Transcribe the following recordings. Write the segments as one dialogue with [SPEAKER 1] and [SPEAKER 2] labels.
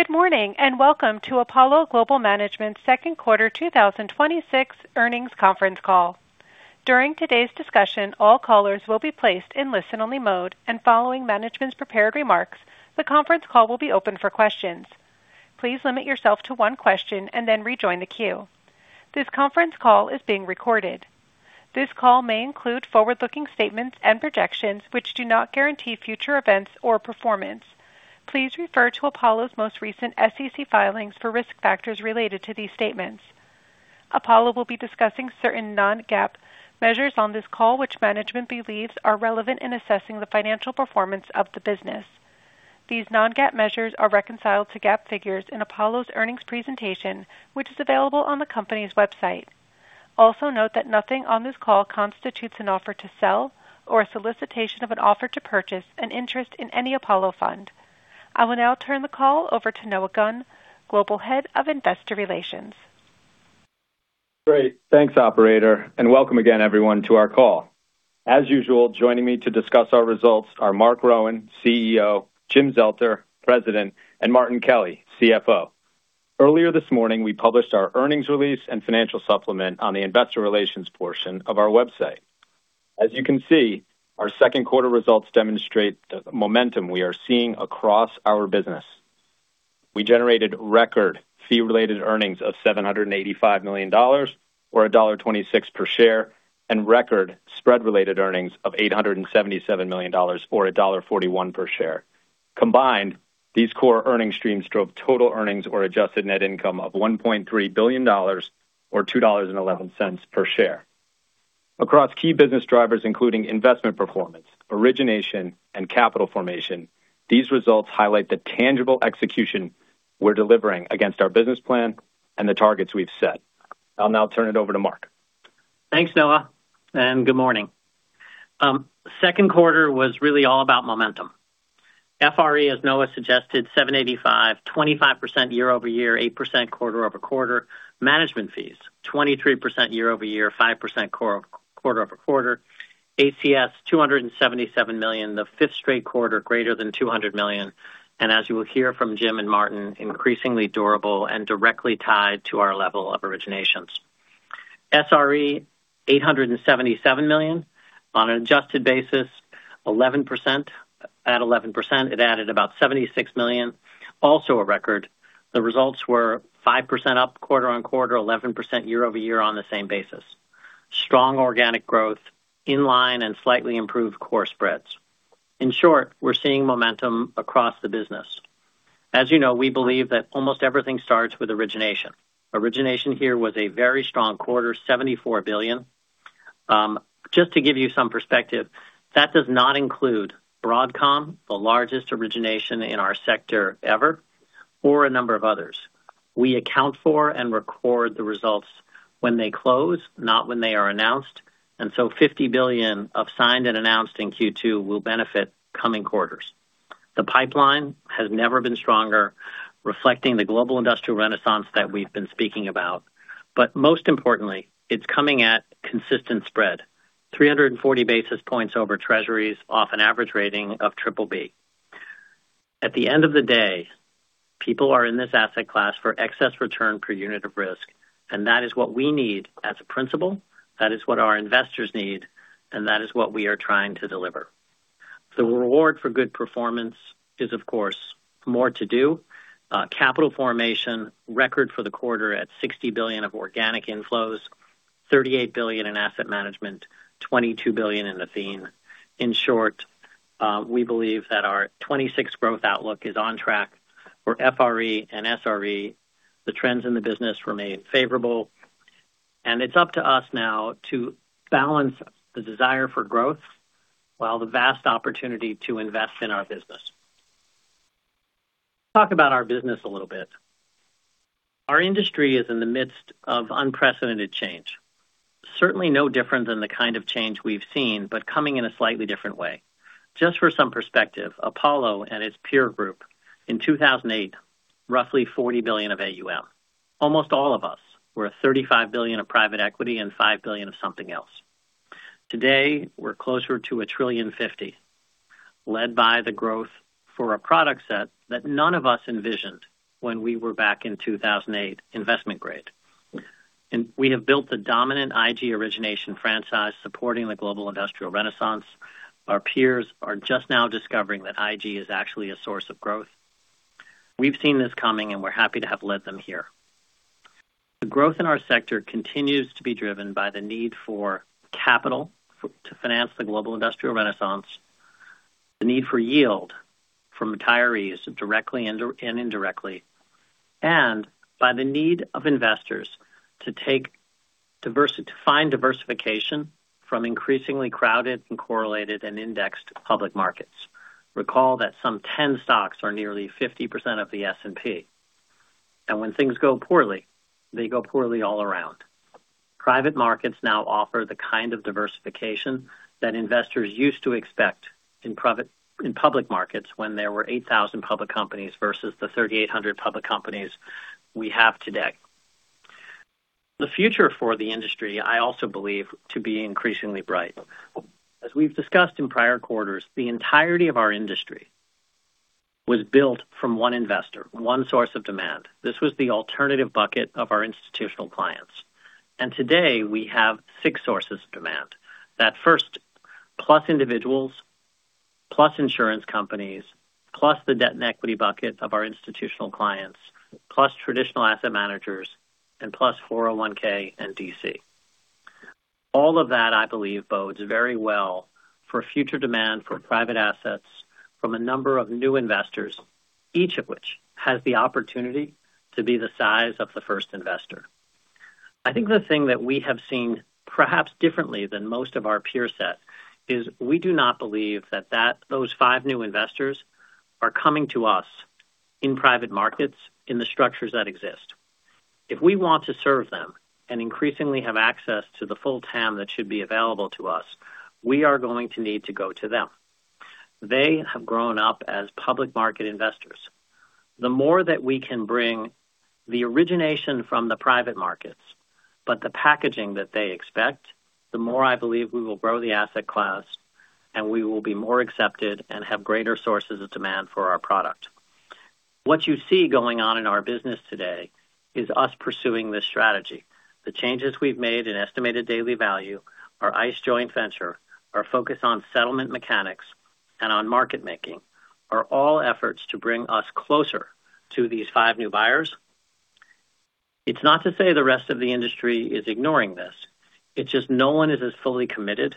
[SPEAKER 1] Good morning, welcome to Apollo Global Management second quarter 2026 earnings conference call. During today's discussion, all callers will be placed in listen-only mode. Following management's prepared remarks, the conference call will be open for questions. Please limit yourself to one question. Rejoin the queue. This conference call is being recorded. This call may include forward-looking statements and projections, which do not guarantee future events or performance. Please refer to Apollo's most recent SEC filings for risk factors related to these statements. Apollo will be discussing certain non-GAAP measures on this call, which management believes are relevant in assessing the financial performance of the business. These non-GAAP measures are reconciled to GAAP figures in Apollo's earnings presentation, which is available on the company's website. Also note that nothing on this call constitutes an offer to sell or a solicitation of an offer to purchase an interest in any Apollo fund. I will now turn the call over to Noah Gunn, Global Head of Investor Relations.
[SPEAKER 2] Great. Thanks, operator. Welcome again, everyone, to our call. As usual, joining me to discuss our results are Marc Rowan, CEO, Jim Zelter, President, Martin Kelly, CFO. Earlier this morning, we published our earnings release and financial supplement on the investor relations portion of our website. As you can see, our second quarter results demonstrate the momentum we are seeing across our business. We generated record fee-related earnings of $785 million, or $1.26 per share. Record spread-related earnings of $877 million, or $1.41 per share. Combined, these core earnings streams drove total earnings or adjusted net income of $1.3 billion, or $2.11 per share. Across key business drivers, including investment performance, origination, and capital formation, these results highlight the tangible execution we're delivering against our business plan and the targets we've set. I'll now turn it over to Marc.
[SPEAKER 3] Thanks, Noah. Good morning. Second quarter was really all about momentum. FRE, as Noah suggested, $785 million, 25% year-over-year, 8% quarter-over-quarter. Management fees, 23% year-over-year, 5% quarter-over-quarter. ACS, $277 million, the fifth straight quarter greater than $200 million. As you will hear from Jim and Martin, increasingly durable and directly tied to our level of originations. SRE, $877 million. On an adjusted basis, at 11%, it added about $76 million, also a record. The results were 5% up quarter-on-quarter, 11% year-over-year on the same basis. Strong organic growth, in line and slightly improved core spreads. In short, we're seeing momentum across the business. As you know, we believe that almost everything starts with origination. Origination here was a very strong quarter, $74 billion. Just to give you some perspective, that does not include Broadcom, the largest origination in our sector ever, or a number of others. We account for and record the results when they close, not when they are announced, $50 billion of signed and announced in Q2 will benefit coming quarters. The pipeline has never been stronger, reflecting the global industrial renaissance that we've been speaking about. Most importantly, it's coming at consistent spread, 340 basis points over Treasuries off an average rating of BBB. At the end of the day, people are in this asset class for excess return per unit of risk, and that is what we need as a principle, that is what our investors need, and that is what we are trying to deliver. The reward for good performance is, of course, more to do. Capital formation, record for the quarter at $60 billion of organic inflows, $38 billion in asset management, $22 billion in Athene. In short, we believe that our 2026 growth outlook is on track for FRE and SRE. The trends in the business remain favorable. And it's up to us now to balance the desire for growth while the vast opportunity to invest in our business. Talk about our business a little bit. Our industry is in the midst of unprecedented change. Certainly no different than the kind of change we've seen, but coming in a slightly different way. Just for some perspective, Apollo and its peer group in 2008, roughly $40 billion of AUM. Almost all of us were $35 billion of private equity and $5 billion of something else. Today, we're closer to $1.05 trillion led by the growth for a product set that none of us envisioned when we were back in 2008 investment grade. We have built the dominant IG origination franchise supporting the global industrial renaissance. Our peers are just now discovering that IG is actually a source of growth. We've seen this coming, and we're happy to have led them here. The growth in our sector continues to be driven by the need for capital to finance the global industrial renaissance, the need for yield from retirees directly and indirectly, and by the need of investors to find diversification from increasingly crowded and correlated and indexed public markets. Recall that some 10 stocks are nearly 50% of the S&P. And when things go poorly, they go poorly all around. Private markets now offer the kind of diversification that investors used to expect in public markets when there were 8,000 public companies versus the 3,800 public companies we have today. The future for the industry, I also believe to be increasingly bright. As we've discussed in prior quarters, the entirety of our industry was built from one investor, one source of demand. This was the alternative bucket of our institutional clients. Today we have six sources of demand. That first, plus individuals, plus insurance companies, plus the debt and equity bucket of our institutional clients, plus traditional asset managers, and plus 401 and DC. All of that, I believe, bodes very well for future demand for private assets from a number of new investors, each of which has the opportunity to be the size of the first investor. I think the thing that we have seen perhaps differently than most of our peer set is we do not believe that those five new investors are coming to us in private markets in the structures that exist. If we want to serve them and increasingly have access to the full TAM that should be available to us, we are going to need to go to them. They have grown up as public market investors. The more that we can bring the origination from the private markets, but the packaging that they expect, the more I believe we will grow the asset class, and we will be more accepted and have greater sources of demand for our product. What you see going on in our business today is us pursuing this strategy. The changes we've made in estimated daily value, our ICE joint venture, our focus on settlement mechanics, and on market making are all efforts to bring us closer to these five new buyers. It's not to say the rest of the industry is ignoring this. It's just no one is as fully committed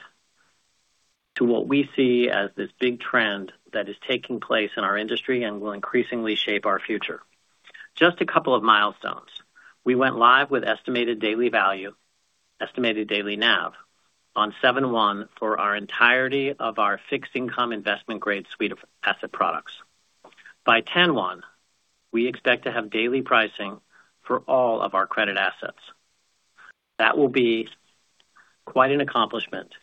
[SPEAKER 3] to what we see as this big trend that is taking place in our industry and will increasingly shape our future. Just a couple of milestones. We went live with estimated daily value, estimated daily NAV on 7/1 for our entirety of our fixed income investment grade suite of asset products. By 10/1, we expect to have daily pricing for all of our credit assets. That will be quite an accomplishment.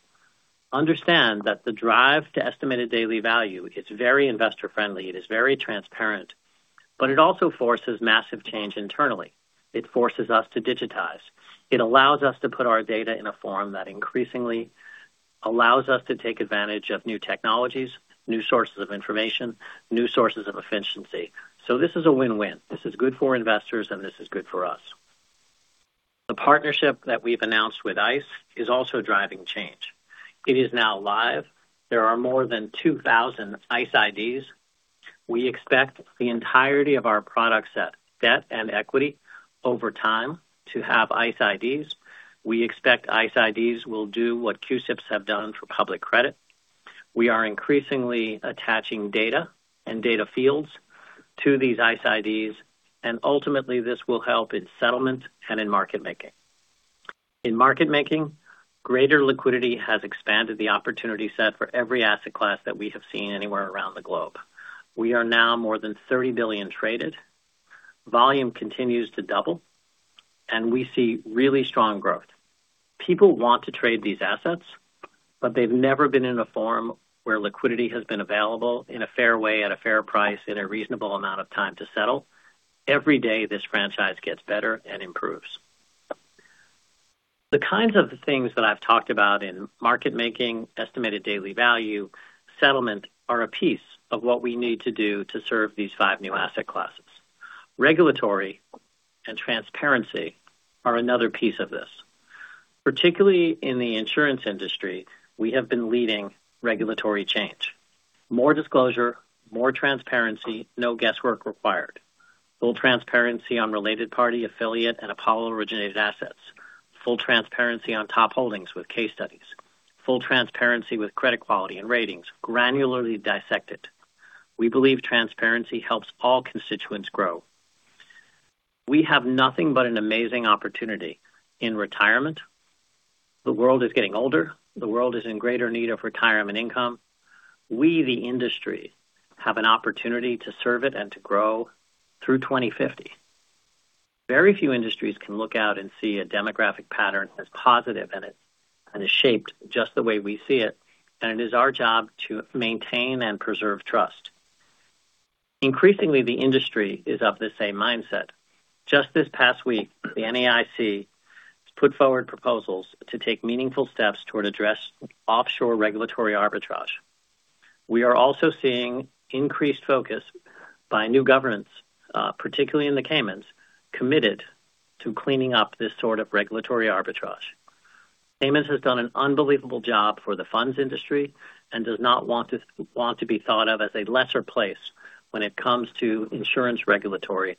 [SPEAKER 3] Understand that the drive to estimated daily value is very investor-friendly. It is very transparent, but it also forces massive change internally. It forces us to digitize. It allows us to put our data in a form that increasingly allows us to take advantage of new technologies, new sources of information, new sources of efficiency. This is a win-win. This is good for investors, and this is good for us. The partnership that we've announced with ICE is also driving change. It is now live. There are more than 2,000 ICE IDs. We expect the entirety of our product set, debt and equity, over time to have ICE IDs. We expect ICE IDs will do what CUSIPs have done for public credit. We are increasingly attaching data and data fields to these ICE IDs, and ultimately this will help in settlement and in market making. In market making, greater liquidity has expanded the opportunity set for every asset class that we have seen anywhere around the globe. We are now more than $30 billion traded. Volume continues to double, and we see really strong growth. People want to trade these assets, but they've never been in a form where liquidity has been available in a fair way, at a fair price, in a reasonable amount of time to settle. Every day, this franchise gets better and improves. The kinds of things that I've talked about in market making, estimated daily value, settlement are a piece of what we need to do to serve these five new asset classes. Regulatory and transparency are another piece of this. Particularly in the insurance industry, we have been leading regulatory change. More disclosure, more transparency, no guesswork required. Full transparency on related party affiliate and Apollo-originated assets. Full transparency on top holdings with case studies. Full transparency with credit quality and ratings granularly dissected. We believe transparency helps all constituents grow. We have nothing but an amazing opportunity in retirement. The world is getting older. The world is in greater need of retirement income. We, the industry, have an opportunity to serve it and to grow through 2050. Very few industries can look out and see a demographic pattern as positive and as shaped just the way we see it. It is our job to maintain and preserve trust. Increasingly, the industry is of the same mindset. Just this past week, the NAIC put forward proposals to take meaningful steps toward addressing offshore regulatory arbitrage. We are also seeing increased focus by new governments, particularly in the Caymans, committed to cleaning up this sort of regulatory arbitrage. Caymans has done an unbelievable job for the funds industry and does not want to be thought of as a lesser place when it comes to insurance regulatory.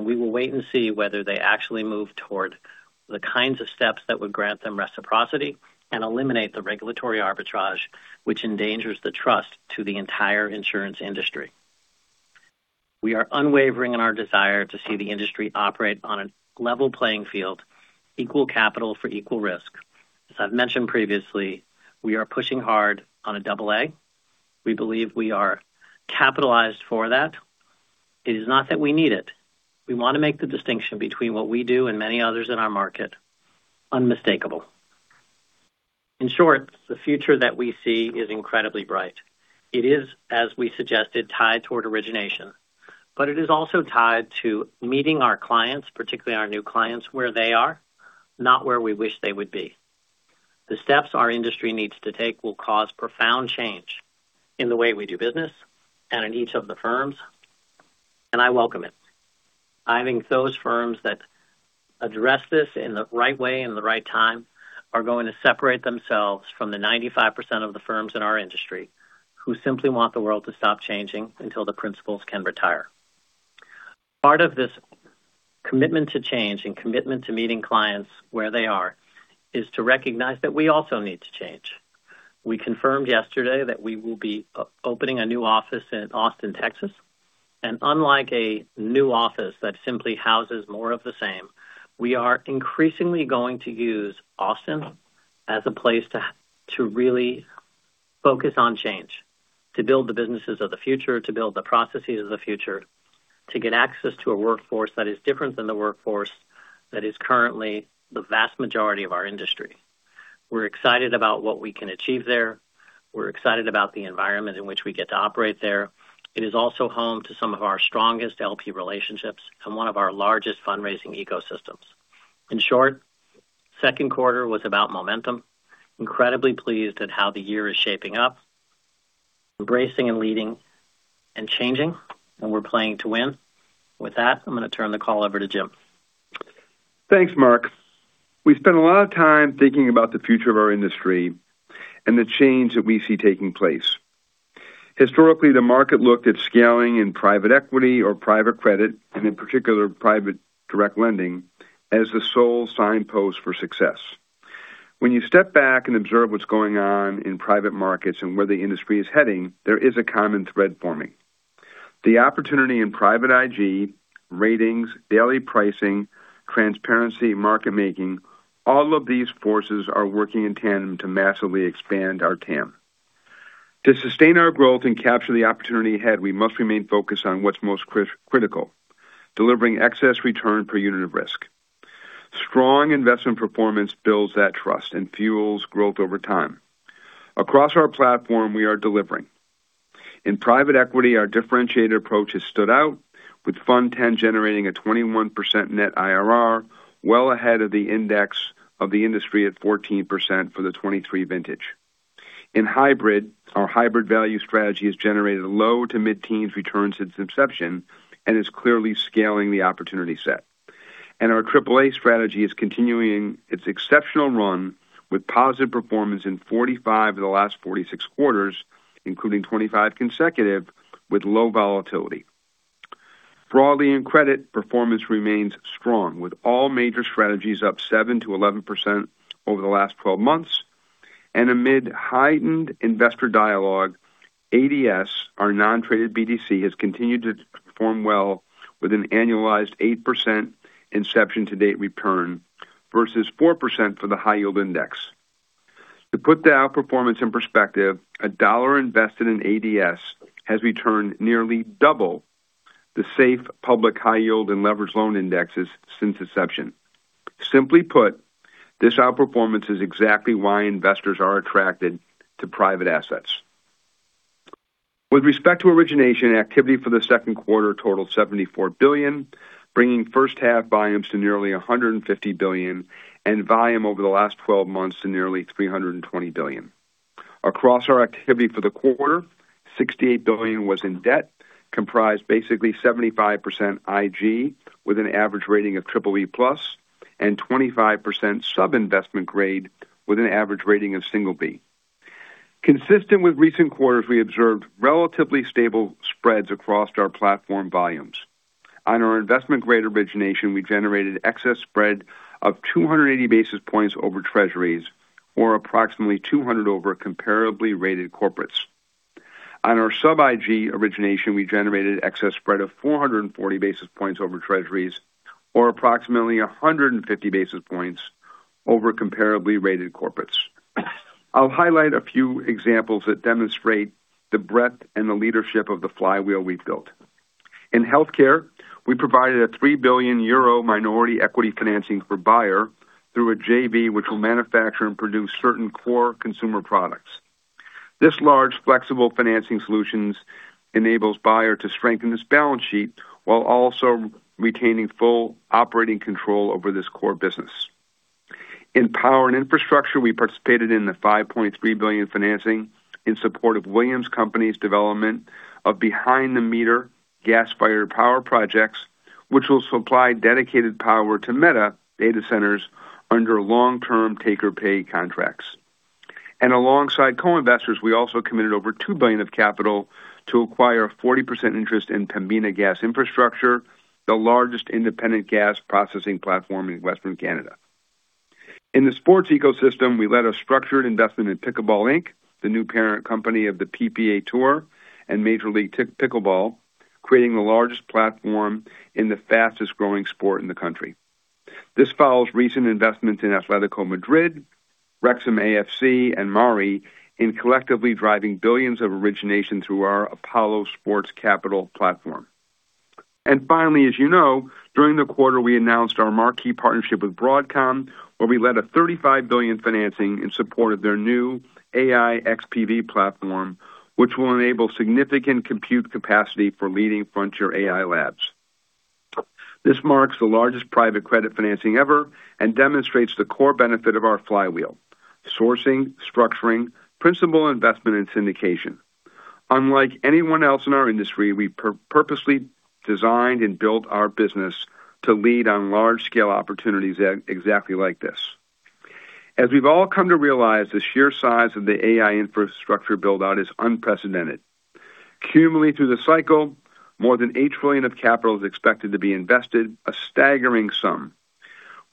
[SPEAKER 3] We will wait and see whether they actually move toward the kinds of steps that would grant them reciprocity and eliminate the regulatory arbitrage, which endangers the trust to the entire insurance industry. We are unwavering in our desire to see the industry operate on a level playing field, equal capital for equal risk. As I've mentioned previously, we are pushing hard on a AA. We believe we are capitalized for that. It is not that we need it. We want to make the distinction between what we do and many others in our market unmistakable. In short, the future that we see is incredibly bright. It is, as we suggested, tied toward origination. It is also tied to meeting our clients, particularly our new clients, where they are, not where we wish they would be. The steps our industry needs to take will cause profound change in the way we do business and in each of the firms. I welcome it. I think those firms that address this in the right way and the right time are going to separate themselves from the 95% of the firms in our industry who simply want the world to stop changing until the principals can retire. Part of this commitment to change and commitment to meeting clients where they are is to recognize that we also need to change. We confirmed yesterday that we will be opening a new office in Austin, Texas. Unlike a new office that simply houses more of the same, we are increasingly going to use Austin as a place to really focus on change, to build the businesses of the future, to build the processes of the future, to get access to a workforce that is different than the workforce that is currently the vast majority of our industry. We're excited about what we can achieve there. We're excited about the environment in which we get to operate there. It is also home to some of our strongest LP relationships and one of our largest fundraising ecosystems. In short, second quarter was about momentum. Incredibly pleased at how the year is shaping up. Embracing and leading and changing. We're playing to win. With that, I'm going to turn the call over to Jim.
[SPEAKER 4] Thanks, Marc. We've spent a lot of time thinking about the future of our industry and the change that we see taking place. Historically, the market looked at scaling in private equity or private credit, and in particular, private direct lending, as the sole signpost for success. When you step back and observe what's going on in private markets and where the industry is heading, there is a common thread forming. The opportunity in private IG, ratings, daily pricing, transparency, market making, all of these forces are working in tandem to massively expand our TAM. To sustain our growth and capture the opportunity ahead, we must remain focused on what's most critical: delivering excess return per unit of risk. Strong investment performance builds that trust and fuels growth over time. Across our platform, we are delivering. In private equity, our differentiated approach has stood out with Fund X generating a 21% net IRR, well ahead of the index of the industry at 14% for the 2023 vintage. In hybrid, our hybrid value strategy has generated low to mid-teens returns since inception and is clearly scaling the opportunity set. Our AAA strategy is continuing its exceptional run with positive performance in 45 of the last 46 quarters, including 25 consecutive with low volatility. Broadly in credit, performance remains strong, with all major strategies up 7%-11% over the last 12 months. Amid heightened investor dialogue, ADS, our non-traded BDC, has continued to perform well with an annualized 8% inception to date return versus 4% for the high yield index. To put the outperformance in perspective, a $1 invested in ADS has returned nearly double the safe public high yield and leverage loan indexes since inception. Simply put, this outperformance is exactly why investors are attracted to private assets. With respect to origination, activity for the second quarter totaled $74 billion, bringing first half volumes to nearly $150 billion, and volume over the last 12 months to nearly $320 billion. Across our activity for the quarter, $68 billion was in debt, comprised basically 75% IG, with an average rating of BBB+, and 25% sub-investment grade with an average rating of B. Consistent with recent quarters, we observed relatively stable spreads across our platform volumes. On our investment-grade origination, we generated excess spread of 280 basis points over Treasuries or approximately 200 basis points over comparably rated corporates. On our sub-IG origination, we generated excess spread of 440 basis points over Treasuries or approximately 150 basis points over comparably rated corporates. I'll highlight a few examples that demonstrate the breadth and the leadership of the flywheel we've built. In healthcare, we provided a 3 billion euro minority equity financing for Bayer through a JV which will manufacture and produce certain core consumer products. This large flexible financing solutions enables Bayer to strengthen its balance sheet while also retaining full operating control over this core business. In power and infrastructure, we participated in the $5.3 billion financing in support of Williams Company's development of behind the meter gas-fired power projects, which will supply dedicated power to Meta data centers under long-term take-or-pay contracts. Alongside co-investors, we also committed over $2 billion of capital to acquire a 40% interest in Pembina Gas Infrastructure, the largest independent gas processing platform in Western Canada. In the sports ecosystem, we led a structured investment in Pickleball Inc., the new parent company of the PPA Tour and Major League Pickleball, creating the largest platform in the fastest-growing sport in the country. This follows recent investments in Atlético de Madrid, Wrexham AFC, and [Mari] in collectively driving billions of origination through our Apollo Sports Capital platform. Finally, as you know, during the quarter, we announced our marquee partnership with Broadcom, where we led a $35 billion financing in support of their new AI XPV Platform, which will enable significant compute capacity for leading frontier AI labs. This marks the largest private credit financing ever and demonstrates the core benefit of our flywheel: sourcing, structuring, principal investment, and syndication. Unlike anyone else in our industry, we purposely designed and built our business to lead on large-scale opportunities exactly like this. As we've all come to realize, the sheer size of the AI infrastructure build-out is unprecedented. Cumulatively through the cycle, more than $8 trillion of capital is expected to be invested, a staggering sum.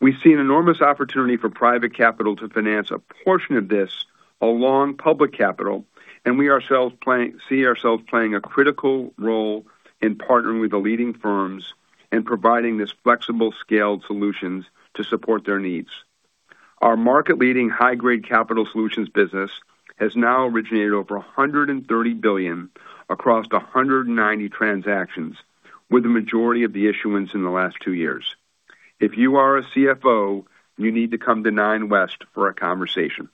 [SPEAKER 4] We see an enormous opportunity for private capital to finance a portion of this along public capital, and we see ourselves playing a critical role in partnering with the leading firms and providing this flexible scaled solutions to support their needs. Our market-leading high-grade capital solutions business has now originated over $130 billion across 190 transactions, with the majority of the issuance in the last two years. If you are a CFO, you need to come to 9 West for a conversation.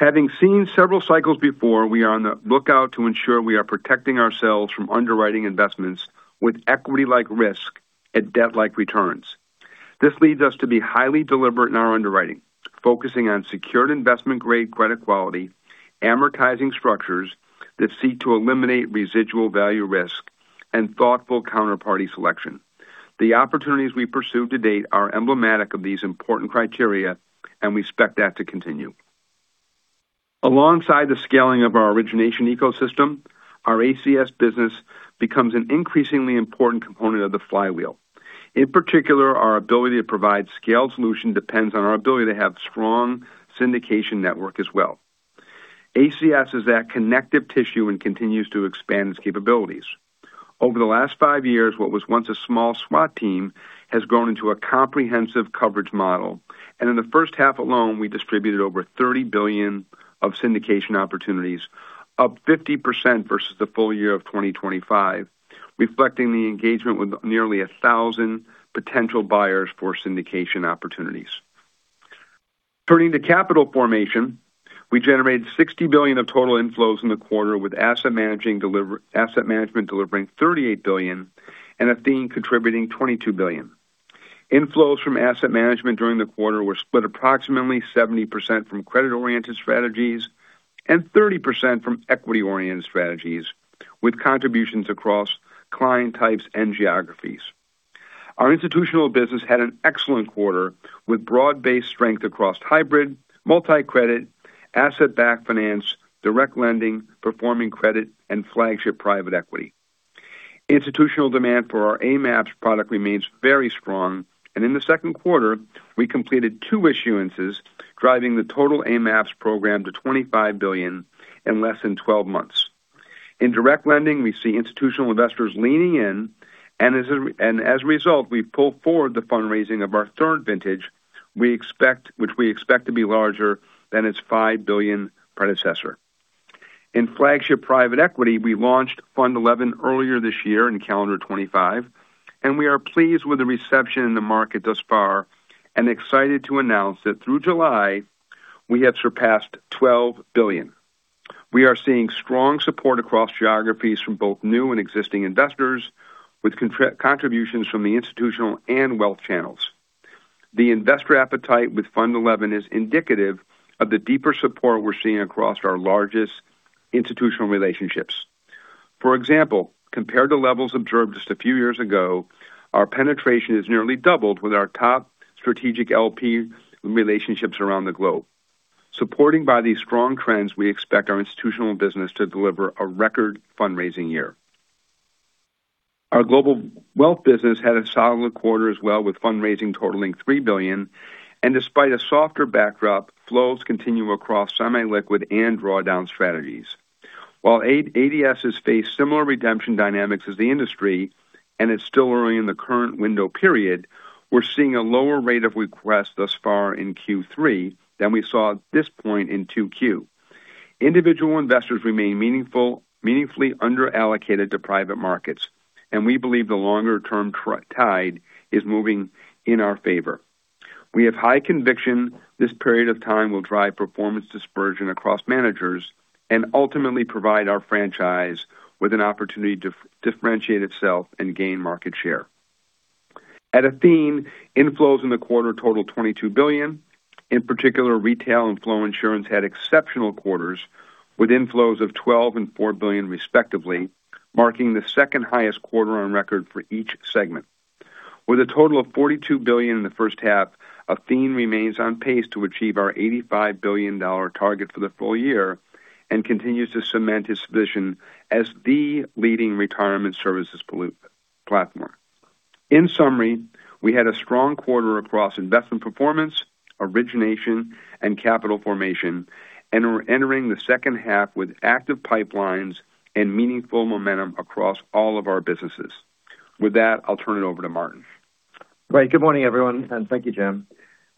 [SPEAKER 4] Having seen several cycles before, we are on the lookout to ensure we are protecting ourselves from underwriting investments with equity-like risk at debt-like returns. This leads us to be highly deliberate in our underwriting, focusing on secured investment-grade credit quality, amortizing structures that seek to eliminate residual value risk, and thoughtful counterparty selection. The opportunities we pursue to date are emblematic of these important criteria, and we expect that to continue. Alongside the scaling of our origination ecosystem, our ACS business becomes an increasingly important component of the flywheel. In particular, our ability to provide scaled solution depends on our ability to have strong syndication network as well. ACS is that connective tissue and continues to expand its capabilities. Over the last five years, what was once a small SWAT team has grown into a comprehensive coverage model, and in the first half alone, we distributed over $30 billion of syndication opportunities, up 50% versus the full year of 2025, reflecting the engagement with nearly 1,000 potential buyers for syndication opportunities. Turning to capital formation, we generated $60 billion of total inflows in the quarter, with asset management delivering $38 billion and Athene contributing $22 billion. Inflows from asset management during the quarter were split approximately 70% from credit-oriented strategies and 30% from equity-oriented strategies, with contributions across client types and geographies. Our institutional business had an excellent quarter with broad-based strength across hybrid, multi-credit, asset-backed finance, direct lending, performing credit, and flagship private equity. Institutional demand for our AMAPs product remains very strong. In the second quarter, we completed two issuances, driving the total AMAPs program to $25 billion in less than 12 months. In direct lending, we see institutional investors leaning in, and as a result, we've pulled forward the fundraising of our third vintage which we expect to be larger than its $5 billion predecessor. In flagship private equity, we launched Fund XI earlier this year in calendar 2025, and we are pleased with the reception in the market thus far and excited to announce that through July, we have surpassed $12 billion. We are seeing strong support across geographies from both new and existing investors, with contributions from the institutional and wealth channels. The investor appetite with Fund XI is indicative of the deeper support we're seeing across our largest institutional relationships. For example, compared to levels observed just a few years ago, our penetration has nearly doubled with our top strategic LP relationships around the globe. Supported by these strong trends, we expect our institutional business to deliver a record fundraising year. Our global wealth business had a solid quarter as well, with fundraising totaling $3 billion. Despite a softer backdrop, flows continue across semi-liquid and drawdown strategies. While ADS has faced similar redemption dynamics as the industry, and it's still early in the current window period, we're seeing a lower rate of requests thus far in Q3 than we saw at this point in 2Q. Individual investors remain meaningfully under-allocated to private markets, and we believe the longer-term tide is moving in our favor. We have high conviction this period of time will drive performance dispersion across managers and ultimately provide our franchise with an opportunity to differentiate itself and gain market share. At Athene, inflows in the quarter totaled $22 billion. In particular, retail inflow insurance had exceptional quarters, with inflows of $12 billion and $4 billion, respectively, marking the second highest quarter on record for each segment. With a total of $42 billion in the first half, Athene remains on pace to achieve our $85 billion target for the full year and continues to cement its position as the leading retirement services platform. In summary, we had a strong quarter across investment performance, origination, and capital formation, and are entering the second half with active pipelines and meaningful momentum across all of our businesses. With that, I'll turn it over to Martin.
[SPEAKER 5] Great. Good morning, everyone, and thank you, Jim.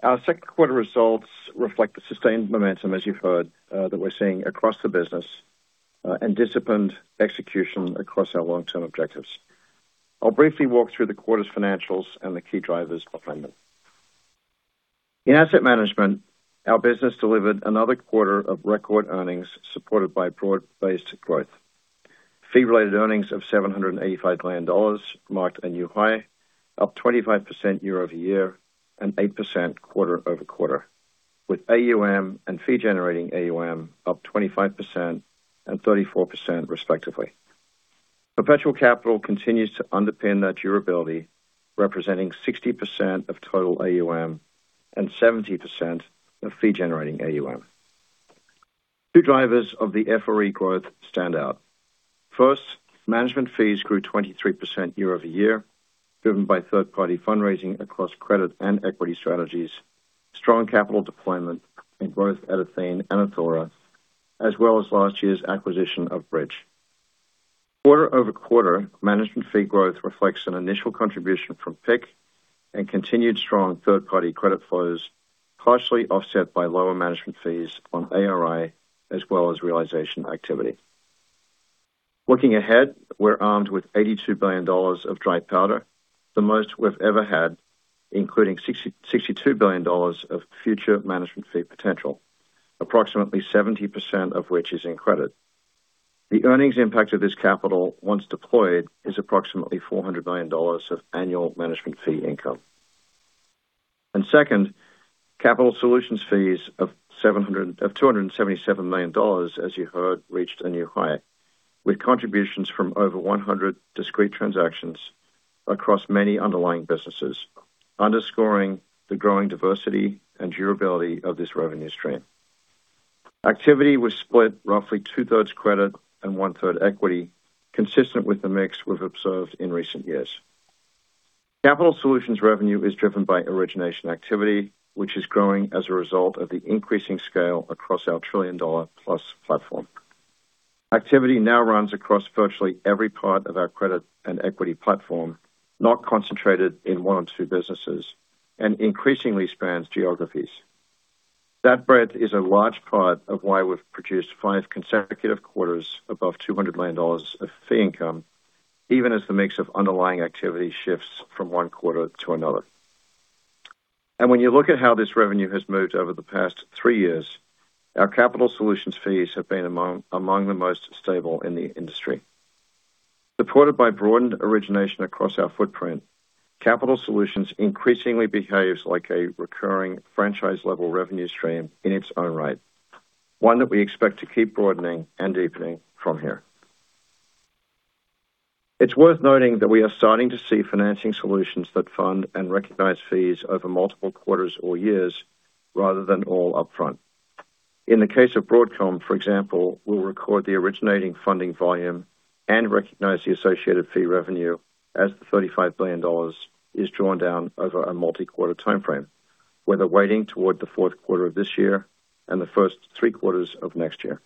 [SPEAKER 5] Our second quarter results reflect the sustained momentum, as you've heard, that we're seeing across the business, and disciplined execution across our long-term objectives. I'll briefly walk through the quarter's financials and the key drivers behind them. In asset management, our business delivered another quarter of record earnings, supported by broad-based growth. Fee-related earnings of $785 million marked a new high, up 25% year-over-year and 8% quarter-over-quarter, with AUM and fee-generating AUM up 25% and 34% respectively. Perpetual Capital continues to underpin that durability, representing 60% of total AUM and 70% of fee-generating AUM. Two drivers of the FRE growth stand out. First, management fees grew 23% year-over-year, driven by third-party fundraising across credit and equity strategies, strong capital deployment in both Athene and Athora, as well as last year's acquisition of Bridge. Quarter-over-quarter management fee growth reflects an initial contribution from PIC and continued strong third-party credit flows, partially offset by lower management fees on ARI as well as realization activity. Looking ahead, we're armed with $82 billion of dry powder, the most we've ever had, including $62 billion of future management fee potential, approximately 70% of which is in credit. The earnings impact of this capital once deployed is approximately $400 million of annual management fee income. Second, capital solutions fees of $277 million, as you heard, reached a new high, with contributions from over 100 discrete transactions across many underlying businesses, underscoring the growing diversity and durability of this revenue stream. Activity was split roughly two-thirds credit and one-third equity, consistent with the mix we've observed in recent years. Capital solutions revenue is driven by origination activity, which is growing as a result of the increasing scale across our trillion-dollar-plus platform. Activity now runs across virtually every part of our credit and equity platform, not concentrated in one or two businesses, and increasingly spans geographies. That breadth is a large part of why we've produced five consecutive quarters above $200 million of fee income, even as the mix of underlying activity shifts from one quarter to another. When you look at how this revenue has moved over the past three years, our capital solutions fees have been among the most stable in the industry. Supported by broadened origination across our footprint, capital solutions increasingly behaves like a recurring franchise-level revenue stream in its own right, one that we expect to keep broadening and deepening from here. It's worth noting that we are starting to see financing solutions that fund and recognize fees over multiple quarters or years rather than all upfront. In the case of Broadcom, for example, we'll record the originating funding volume and recognize the associated fee revenue as the $35 billion is drawn down over a multi-quarter timeframe, with a weighting toward the fourth quarter of this year and the first three quarters of next year.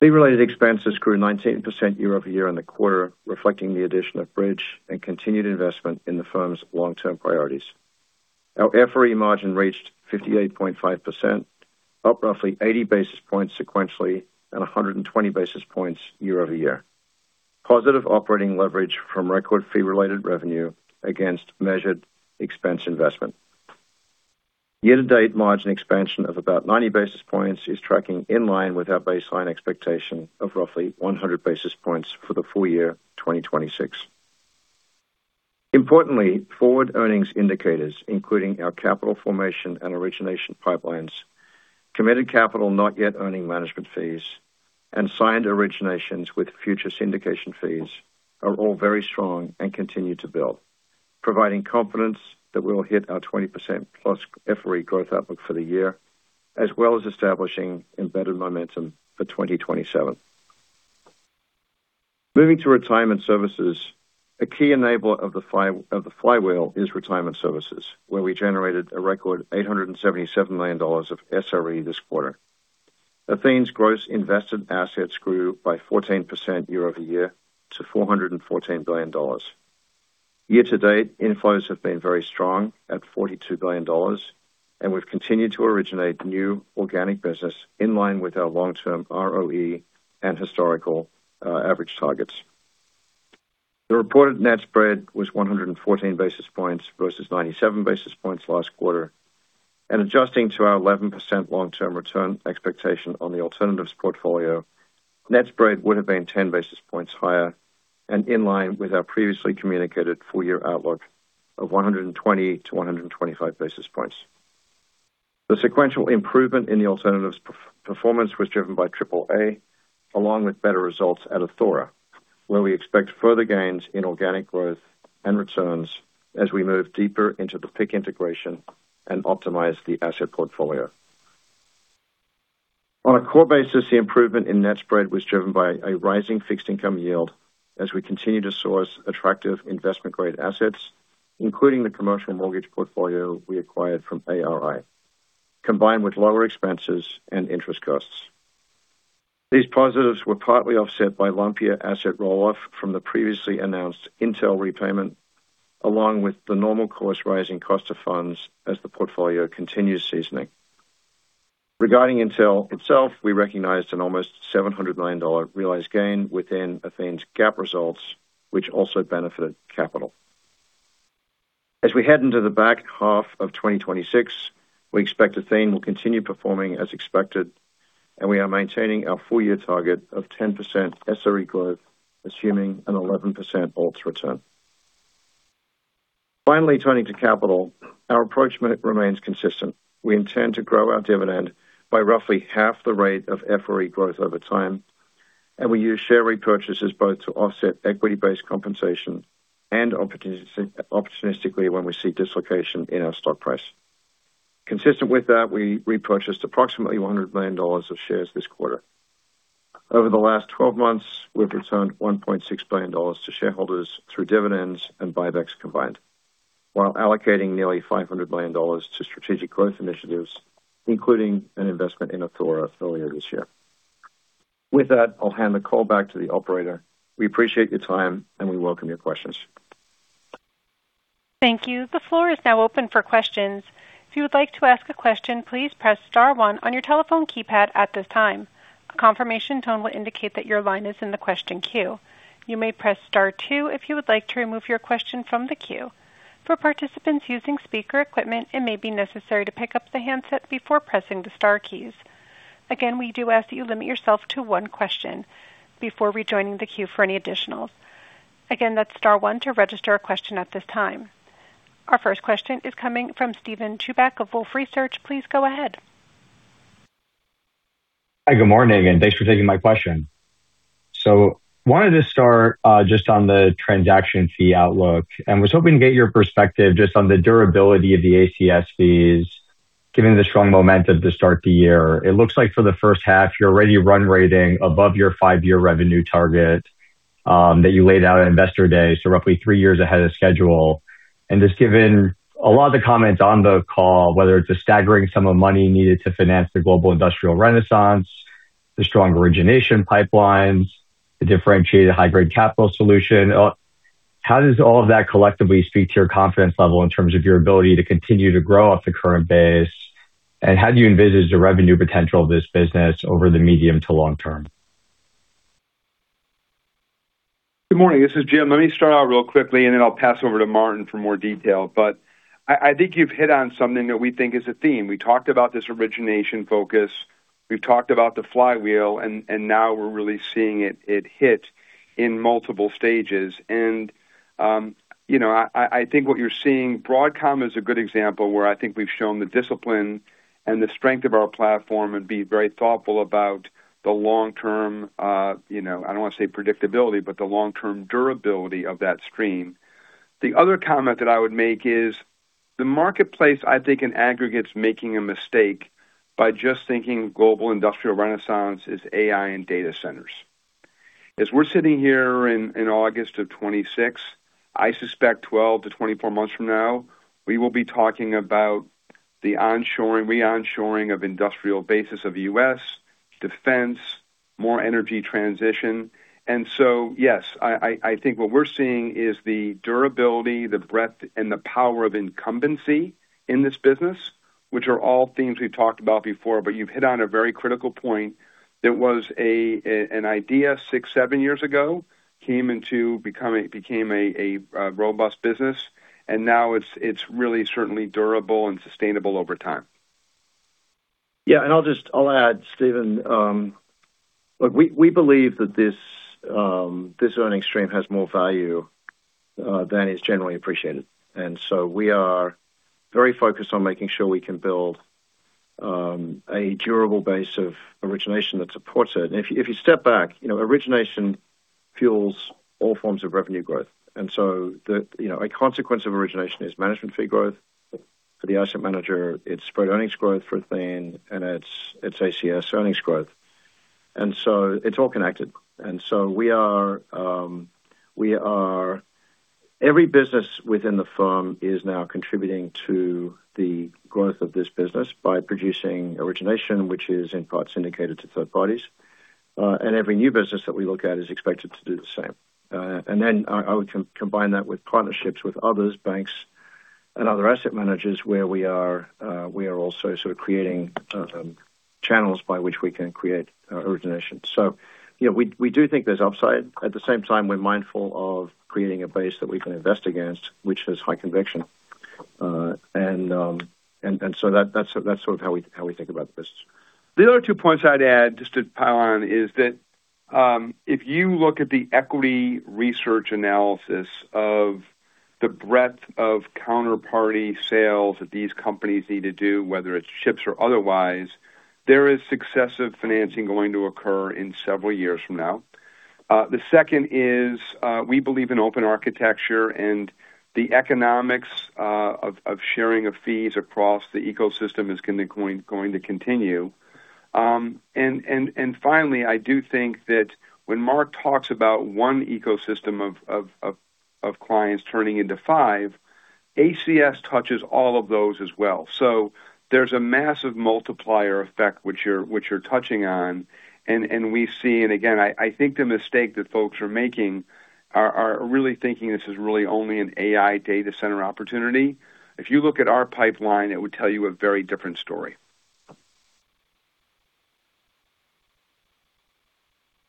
[SPEAKER 5] Fee-related expenses grew 19% year-over-year in the quarter, reflecting the addition of Bridge and continued investment in the firm's long-term priorities. Our FRE margin reached 58.5%, up roughly 80 basis points sequentially and 120 basis points year-over-year. Positive operating leverage from record fee-related revenue against measured expense investment. Year-to-date margin expansion of about 90 basis points is tracking in line with our baseline expectation of roughly 100 basis points for the full year 2026. Importantly, forward earnings indicators, including our capital formation and origination pipelines, committed capital not yet earning management fees, and signed originations with future syndication fees, are all very strong and continue to build, providing confidence that we'll hit our 20%+ FRE growth outlook for the year, as well as establishing embedded momentum for 2027. Moving to Retirement Services, a key enabler of the flywheel is Retirement Services, where we generated a record $877 million of SRE this quarter. Athene's gross invested assets grew by 14% year-over-year to $414 billion. Year-to-date, inflows have been very strong at $42 billion, and we've continued to originate new organic business in line with our long-term ROE and historical average targets. The reported net spread was 114 basis points versus 97 basis points last quarter. Adjusting to our 11% long-term return expectation on the alternatives portfolio, net spread would have been 10 basis points higher and in line with our previously communicated full-year outlook of 120-125 basis points. The sequential improvement in the alternatives performance was driven by AAA, along with better results at Athora, where we expect further gains in organic growth and returns as we move deeper into the PIC integration and optimize the asset portfolio. On a core basis, the improvement in net spread was driven by a rising fixed income yield as we continue to source attractive investment-grade assets, including the commercial mortgage portfolio we acquired from ARI, combined with lower expenses and interest costs. These positives were partly offset by lumpier asset roll-off from the previously announced Intel repayment, along with the normal course rising cost of funds as the portfolio continues seasoning. Regarding Intel itself, we recognized an almost $700 million realized gain within Athene's GAAP results, which also benefited capital. As we head into the back half of 2026, we expect Athene will continue performing as expected, and we are maintaining our full-year target of 10% SRE growth, assuming an 11% ALT return. Finally, turning to capital, our approach remains consistent. We intend to grow our dividend by roughly half the rate of FRE growth over time, and we use share repurchases both to offset equity-based compensation and opportunistically when we see dislocation in our stock price. Consistent with that, we repurchased approximately $100 million of shares this quarter. Over the last 12 months, we've returned $1.6 billion to shareholders through dividends and buybacks combined, while allocating nearly $500 million to strategic growth initiatives, including an investment in Athora earlier this year. With that, I'll hand the call back to the operator. We appreciate your time, and we welcome your questions.
[SPEAKER 1] Thank you. The floor is now open for questions. If you would like to ask a question, please press star one on your telephone keypad at this time. A confirmation tone will indicate that your line is in the question queue. You may press star two if you would like to remove your question from the queue. For participants using speaker equipment, it may be necessary to pick up the handset before pressing the star keys. Again, we do ask that you limit yourself to one question before rejoining the queue for any additional. Again, that's star one to register a question at this time. Our first question is coming from Steven Chubak of Wolfe Research. Please go ahead.
[SPEAKER 6] Hi, good morning, and thanks for taking my question. Wanted to start just on the transaction fee outlook, and was hoping to get your perspective just on the durability of the ACS fees, given the strong momentum to start the year. It looks like for the first half, you're already run rating above your five-year revenue target, that you laid out at Investor Day, roughly three years ahead of schedule. Given a lot of the comments on the call, whether it's a staggering sum of money needed to finance the global industrial renaissance, the strong origination pipelines, the differentiated high-grade capital solution. How does all of that collectively speak to your confidence level in terms of your ability to continue to grow off the current base? How do you envisage the revenue potential of this business over the medium to long term?
[SPEAKER 4] Good morning. This is Jim. Let me start out real quickly, and then I'll pass over to Martin for more detail. I think you've hit on something that we think is a theme. We talked about this origination focus. We've talked about the flywheel, and now we're really seeing it hit in multiple stages. I think what you're seeing, Broadcom is a good example where I think we've shown the discipline and the strength of our platform and be very thoughtful about the long-term, I don't want to say predictability, but the long-term durability of that stream. The other comment that I would make is the marketplace, I think, in aggregate's making a mistake by just thinking global industrial renaissance is AI and data centers. As we're sitting here in August of 2026, I suspect 12-24 months from now, we will be talking about the re-onshoring of industrial basis of U.S., defense, more energy transition. Yes, I think what we're seeing is the durability, the breadth, and the power of incumbency in this business, which are all themes we've talked about before, but you've hit on a very critical point that was an idea six, seven years ago, became a robust business, and now it's really certainly durable and sustainable over time.
[SPEAKER 5] I'll add, Steven. Look, we believe that this earnings stream has more value than is generally appreciated. We are very focused on making sure we can build a durable base of origination that supports it. If you step back, origination fuels all forms of revenue growth. A consequence of origination is management fee growth for the asset manager. It's spread earnings growth for Athene, and it's ACS earnings growth. It's all connected. Every business within the firm is now contributing to the growth of this business by producing origination, which is in part syndicated to third parties. Every new business that we look at is expected to do the same. I would combine that with partnerships with others, banks, and other asset managers where we are also sort of creating channels by which we can create origination. We do think there's upside. At the same time, we're mindful of creating a base that we can invest against, which has high conviction. That's sort of how we think about the business.
[SPEAKER 4] The other two points I'd add just to pile on is that if you look at the equity research analysis of the breadth of counterparty sales that these companies need to do, whether it's chips or otherwise, there is successive financing going to occur in several years from now. The second is we believe in open architecture and the economics of sharing of fees across the ecosystem is going to continue. Finally, I do think that when Marc talks about one ecosystem of clients turning into five ACS touches all of those as well. There's a massive multiplier effect which you're touching on, and we see. Again, I think the mistake that folks are making are really thinking this is really only an AI data center opportunity. If you look at our pipeline, it would tell you a very different story.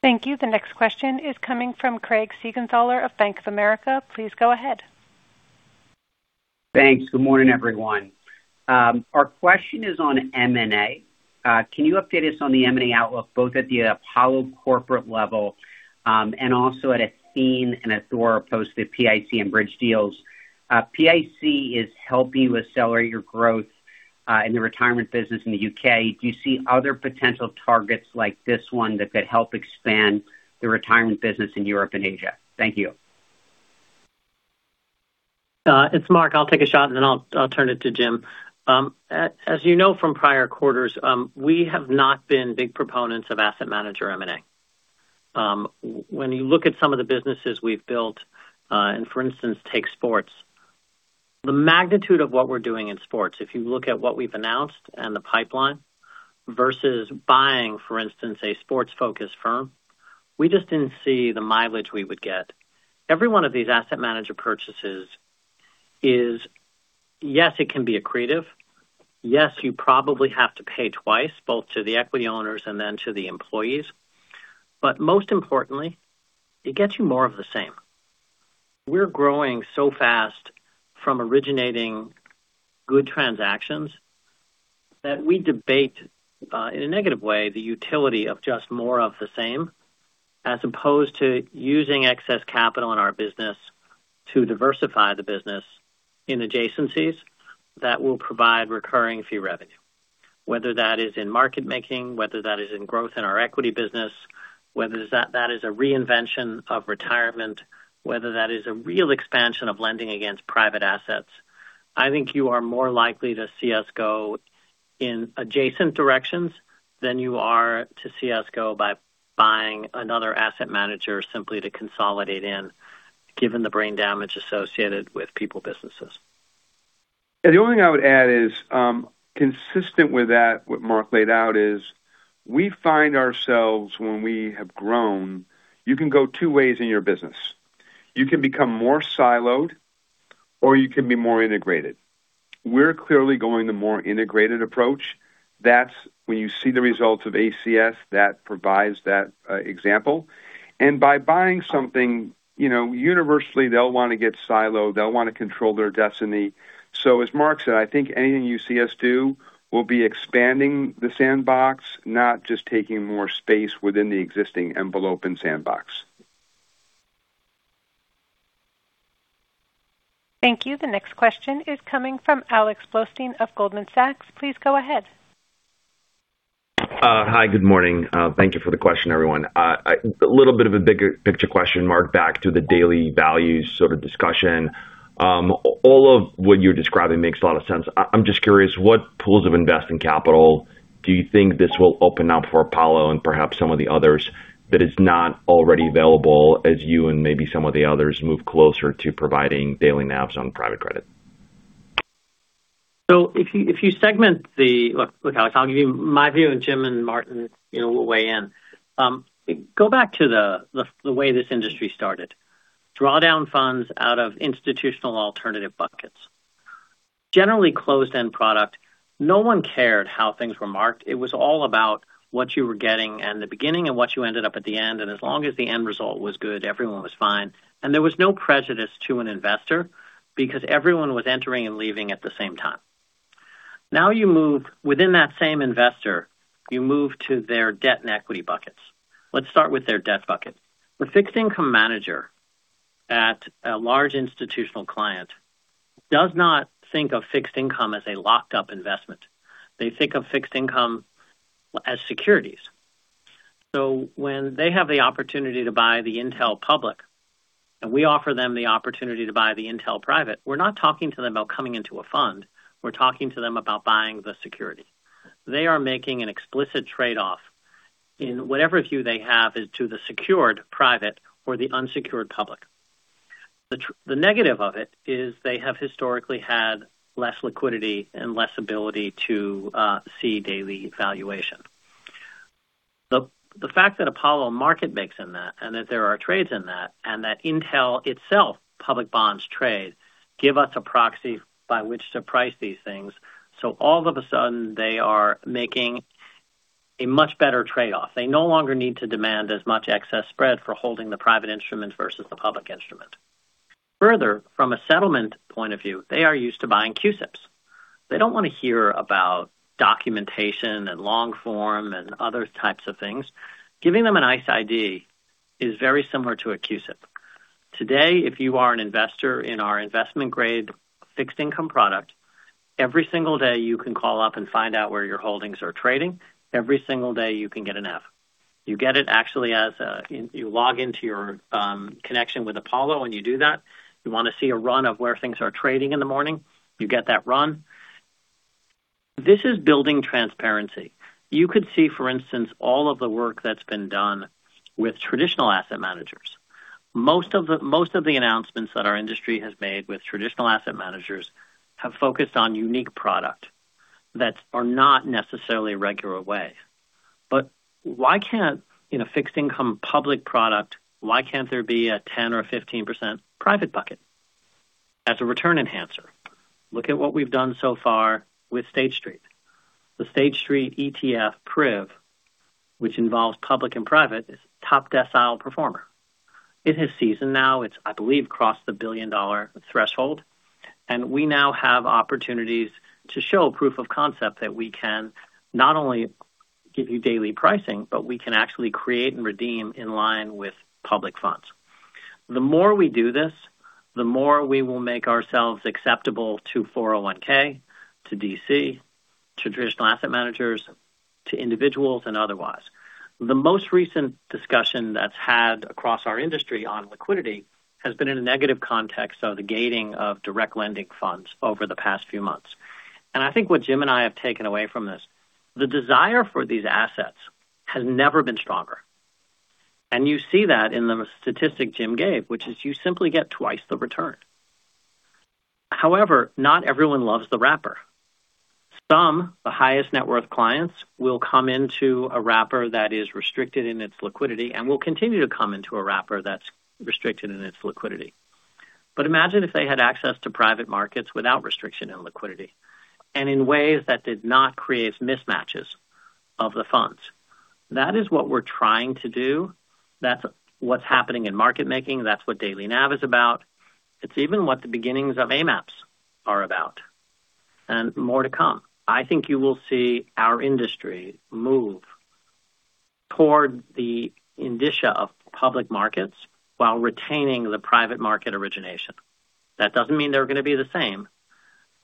[SPEAKER 1] Thank you. The next question is coming from Craig Siegenthaler of Bank of America. Please go ahead.
[SPEAKER 7] Thanks. Good morning, everyone. Our question is on M&A. Can you update us on the M&A outlook, both at the Apollo corporate level, and also at Athene and Athora, post the PIC and Bridge deals? PIC is helping with scale or growth, in the retirement business in the U.K. Do you see other potential targets like this one that could help expand the retirement business in Europe and Asia? Thank you.
[SPEAKER 3] It's Marc. I'll take a shot, and then I'll turn it to Jim. As you know from prior quarters, we have not been big proponents of asset manager M&A. When you look at some of the businesses we've built, and for instance, take sports. The magnitude of what we're doing in sports, if you look at what we've announced and the pipeline versus buying, for instance, a sports-focused firm, we just didn't see the mileage we would get. Every one of these asset manager purchases is, yes, it can be accretive. Yes, you probably have to pay twice, both to the equity owners and then to the employees. Most importantly, it gets you more of the same. We're growing so fast from originating good transactions that we debate, in a negative way, the utility of just more of the same, as opposed to using excess capital in our business to diversify the business in adjacencies that will provide recurring fee revenue, whether that is in market making, whether that is in growth in our equity business, whether that is a reinvention of retirement, whether that is a real expansion of lending against private assets. I think you are more likely to see us go in adjacent directions than you are to see us go by buying another asset manager simply to consolidate in, given the brain damage associated with people businesses.
[SPEAKER 4] The only thing I would add is, consistent with that, what Marc laid out is we find ourselves when we have grown, you can go two ways in your business. You can become more siloed, or you can be more integrated. We're clearly going the more integrated approach. That's when you see the results of ACS that provides that example. By buying something, universally they'll want to get siloed. They'll want to control their destiny. As Marc said, I think anything you see us do will be expanding the sandbox, not just taking more space within the existing envelope and sandbox.
[SPEAKER 1] Thank you. The next question is coming from Alex Blostein of Goldman Sachs. Please go ahead.
[SPEAKER 8] Hi. Good morning. Thank you for the question, everyone. A little bit of a bigger picture question, Marc, back to the daily values sort of discussion. All of what you're describing makes a lot of sense. I'm just curious, what pools of investing capital do you think this will open up for Apollo and perhaps some of the others that is not already available as you and maybe some of the others move closer to providing daily NAVs on private credit?
[SPEAKER 3] If you segment the Look, Alex, I'll give you my view, and Jim and Martin will weigh in. Go back to the way this industry started. Draw down funds out of institutional alternative buckets. Generally closed-end product. No one cared how things were marked. It was all about what you were getting in the beginning and what you ended up at the end, and as long as the end result was good, everyone was fine. There was no prejudice to an investor because everyone was entering and leaving at the same time. Within that same investor, you move to their debt and equity buckets. Let's start with their debt bucket. The fixed income manager at a large institutional client does not think of fixed income as a locked-up investment. They think of fixed income as securities. When they have the opportunity to buy the Intel public, and we offer them the opportunity to buy the Intel private, we're not talking to them about coming into a fund. We're talking to them about buying the security. They are making an explicit trade-off in whatever view they have is to the secured private or the unsecured public. The negative of it is they have historically had less liquidity and less ability to see daily valuation. The fact that Apollo market makes in that, and that there are trades in that, and that Intel itself, public bonds trade, give us a proxy by which to price these things. All of a sudden, they are making a much better trade-off. They no longer need to demand as much excess spread for holding the private instrument versus the public instrument. Further, from a settlement point of view, they are used to buying CUSIPs. They don't want to hear about documentation and long form and other types of things. Giving them an ICE ID is very similar to a CUSIP. Today, if you are an investor in our investment-grade fixed income product, every single day you can call up and find out where your holdings are trading. Every single day you can get an [F]. You get it actually as you log into your connection with Apollo when you do that. You want to see a run of where things are trading in the morning. You get that run. This is building transparency. You could see, for instance, all of the work that's been done with traditional asset managers. Most of the announcements that our industry has made with traditional asset managers have focused on unique product that are not necessarily regular way. Why can't fixed income public product, why can't there be a 10% or 15% private bucket as a return enhancer? Look at what we've done so far with State Street. The State Street ETF, PRIV, which involves public and private, is top decile performer. It has seasoned now. It's, I believe, crossed the $1 billion threshold, and we now have opportunities to show proof of concept that we can not only give you daily pricing, but we can actually create and redeem in line with public funds. The more we do this, the more we will make ourselves acceptable to 401(k), to DC, to traditional asset managers, to individuals, and otherwise. The most recent discussion that's had across our industry on liquidity has been in a negative context of the gating of direct lending funds over the past few months. I think what Jim and I have taken away from this, the desire for these assets has never been stronger. You see that in the statistic Jim gave, which is you simply get twice the return. However, not everyone loves the wrapper. Some, the highest net worth clients, will come into a wrapper that is restricted in its liquidity and will continue to come into a wrapper that's restricted in its liquidity. Imagine if they had access to private markets without restriction and liquidity, and in ways that did not create mismatches of the funds. That is what we're trying to do. That's what's happening in market making. That's what daily NAV is about. It's even what the beginnings of AMAPs are about. More to come. I think you will see our industry move toward the indicia of public markets while retaining the private market origination. That doesn't mean they're going to be the same.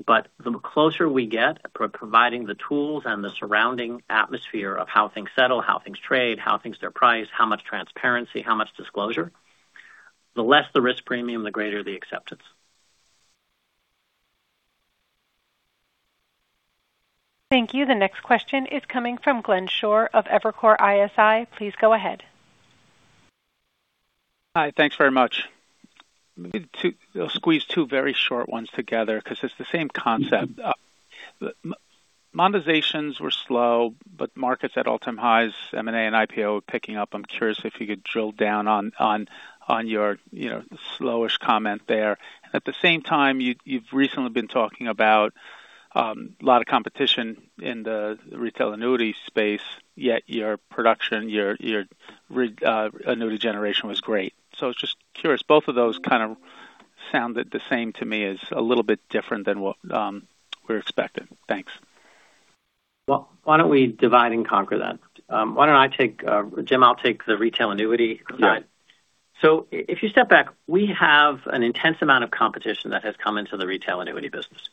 [SPEAKER 3] The closer we get for providing the tools and the surrounding atmosphere of how things settle, how things trade, how things are priced, how much transparency, how much disclosure, the less the risk premium, the greater the acceptance.
[SPEAKER 1] Thank you. The next question is coming from Glenn Schorr of Evercore ISI. Please go ahead.
[SPEAKER 9] Hi. Thanks very much. I'll squeeze two very short ones together because it's the same concept. Monetizations were slow, markets at all-time highs, M&A and IPO are picking up. I'm curious if you could drill down on your slowish comment there. At the same time, you've recently been talking about a lot of competition in the retail annuity space, yet your production, your annuity generation was great. I was just curious. Both of those kind of sounded the same to me as a little bit different than what we were expecting. Thanks.
[SPEAKER 3] Well, why don't we divide and conquer that? Jim, I'll take the retail annuity side.
[SPEAKER 9] Right.
[SPEAKER 3] If you step back, we have an intense amount of competition that has come into the retail annuity business.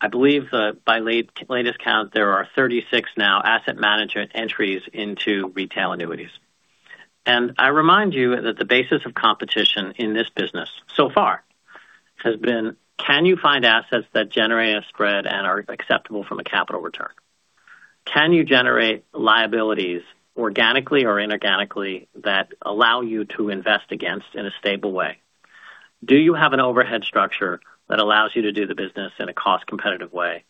[SPEAKER 3] I believe by latest count, there are 36 now asset management entries into retail annuities. I remind you that the basis of competition in this business so far has been, can you find assets that generate a spread and are acceptable from a capital return? Can you generate liabilities organically or inorganically that allow you to invest against in a stable way? Do you have an overhead structure that allows you to do the business in a cost-competitive way?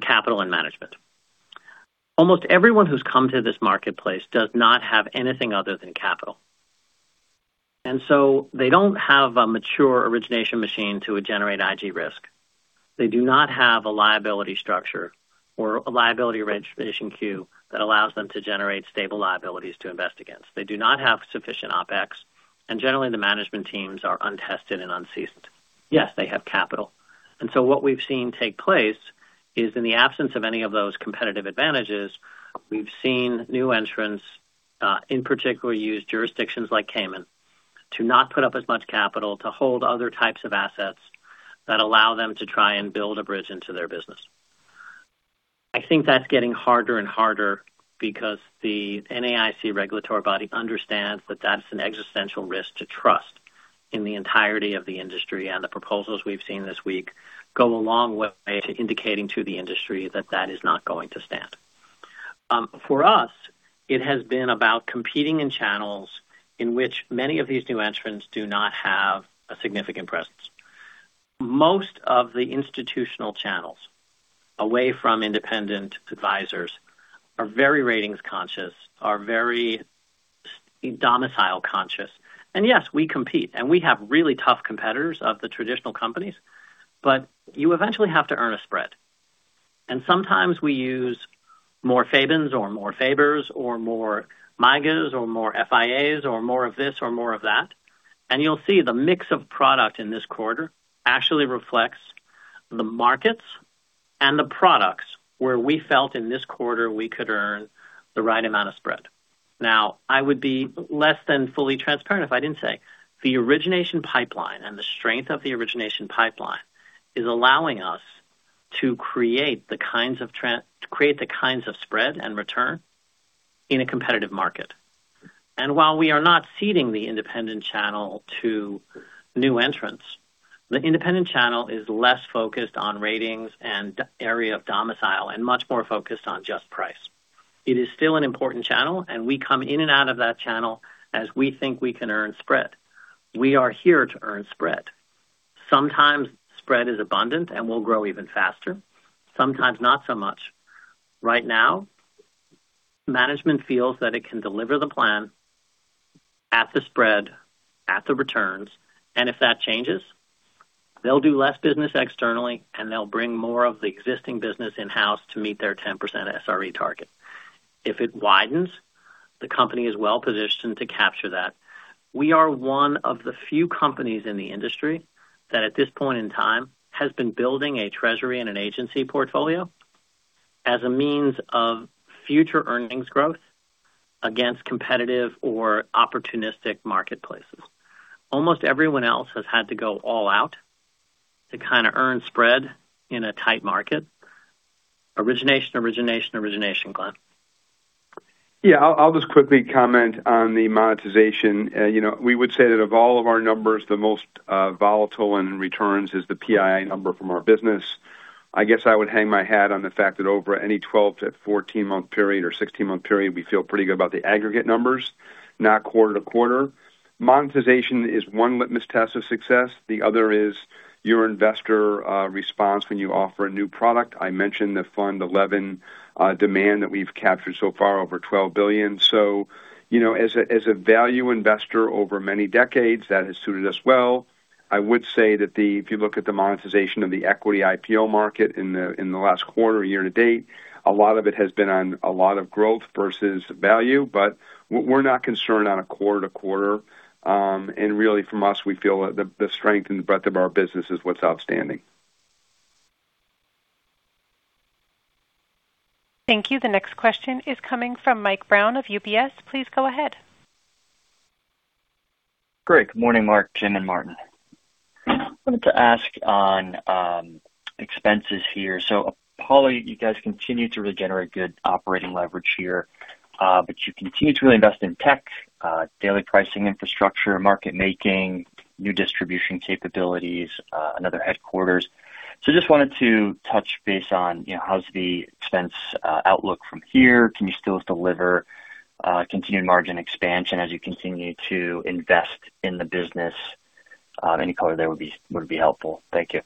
[SPEAKER 3] Capital and management. Almost everyone who's come to this marketplace does not have anything other than capital. They don't have a mature origination machine to generate IG risk. They do not have a liability structure or a liability origination queue that allows them to generate stable liabilities to invest against. They do not have sufficient OpEx, and generally, the management teams are untested and unseasoned. Yes, they have capital. What we've seen take place is in the absence of any of those competitive advantages, we've seen new entrants, in particular, use jurisdictions like Cayman to not put up as much capital, to hold other types of assets that allow them to try and build a bridge into their business. I think that's getting harder and harder because the NAIC regulatory body understands that that's an existential risk to trust in the entirety of the industry, and the proposals we've seen this week go a long way to indicating to the industry that that is not going to stand. For us, it has been about competing in channels in which many of these new entrants do not have a significant presence. Most of the institutional channels away from independent advisors are very ratings conscious, are very domicile conscious. Yes, we compete, and we have really tough competitors of the traditional companies, but you eventually have to earn a spread. Sometimes we use more FABNs or more FABR or more MYGA or more FIA or more of this or more of that, and you'll see the mix of product in this quarter actually reflects the markets and the products where we felt in this quarter we could earn the right amount of spread. I would be less than fully transparent if I didn't say the origination pipeline and the strength of the origination pipeline is allowing us to create the kinds of spread and return In a competitive market. While we are not ceding the independent channel to new entrants, the independent channel is less focused on ratings and area of domicile and much more focused on just price. It is still an important channel, we come in and out of that channel as we think we can earn spread. We are here to earn spread. Sometimes spread is abundant and will grow even faster, sometimes not so much. Right now, management feels that it can deliver the plan at the spread, at the returns, if that changes, they'll do less business externally, they'll bring more of the existing business in-house to meet their 10% SRE target. If it widens, the company is well-positioned to capture that. We are one of the few companies in the industry that, at this point in time, has been building a treasury and an agency portfolio as a means of future earnings growth against competitive or opportunistic marketplaces. Almost everyone else has had to go all out to kind of earn spread in a tight market. Origination, Glenn.
[SPEAKER 4] I'll just quickly comment on the monetization. We would say that of all of our numbers, the most volatile in returns is the PII number from our business. I guess I would hang my hat on the fact that over any 12-14-month period or 16-month period, we feel pretty good about the aggregate numbers, not quarter-to-quarter. Monetization is one litmus test of success. The other is your investor response when you offer a new product. I mentioned the Fund XI demand that we've captured so far, over $12 billion. As a value investor over many decades, that has suited us well. I would say that if you look at the monetization of the equity IPO market in the last quarter, year-to-date, a lot of it has been on a lot of growth versus value. We're not concerned on a quarter-to-quarter. Really, from us, we feel the strength and the breadth of our business is what's outstanding.
[SPEAKER 1] Thank you. The next question is coming from Mike Brown of UBS. Please go ahead.
[SPEAKER 10] Great. Good morning, Marc, Jim, and Martin. I wanted to ask on expenses here. Apollo, you guys continue to really generate good operating leverage here. You continue to really invest in tech, daily pricing infrastructure, market making, new distribution capabilities, another headquarters. Just wanted to touch base on how's the expense outlook from here. Can you still deliver continued margin expansion as you continue to invest in the business? Any color there would be helpful. Thank you.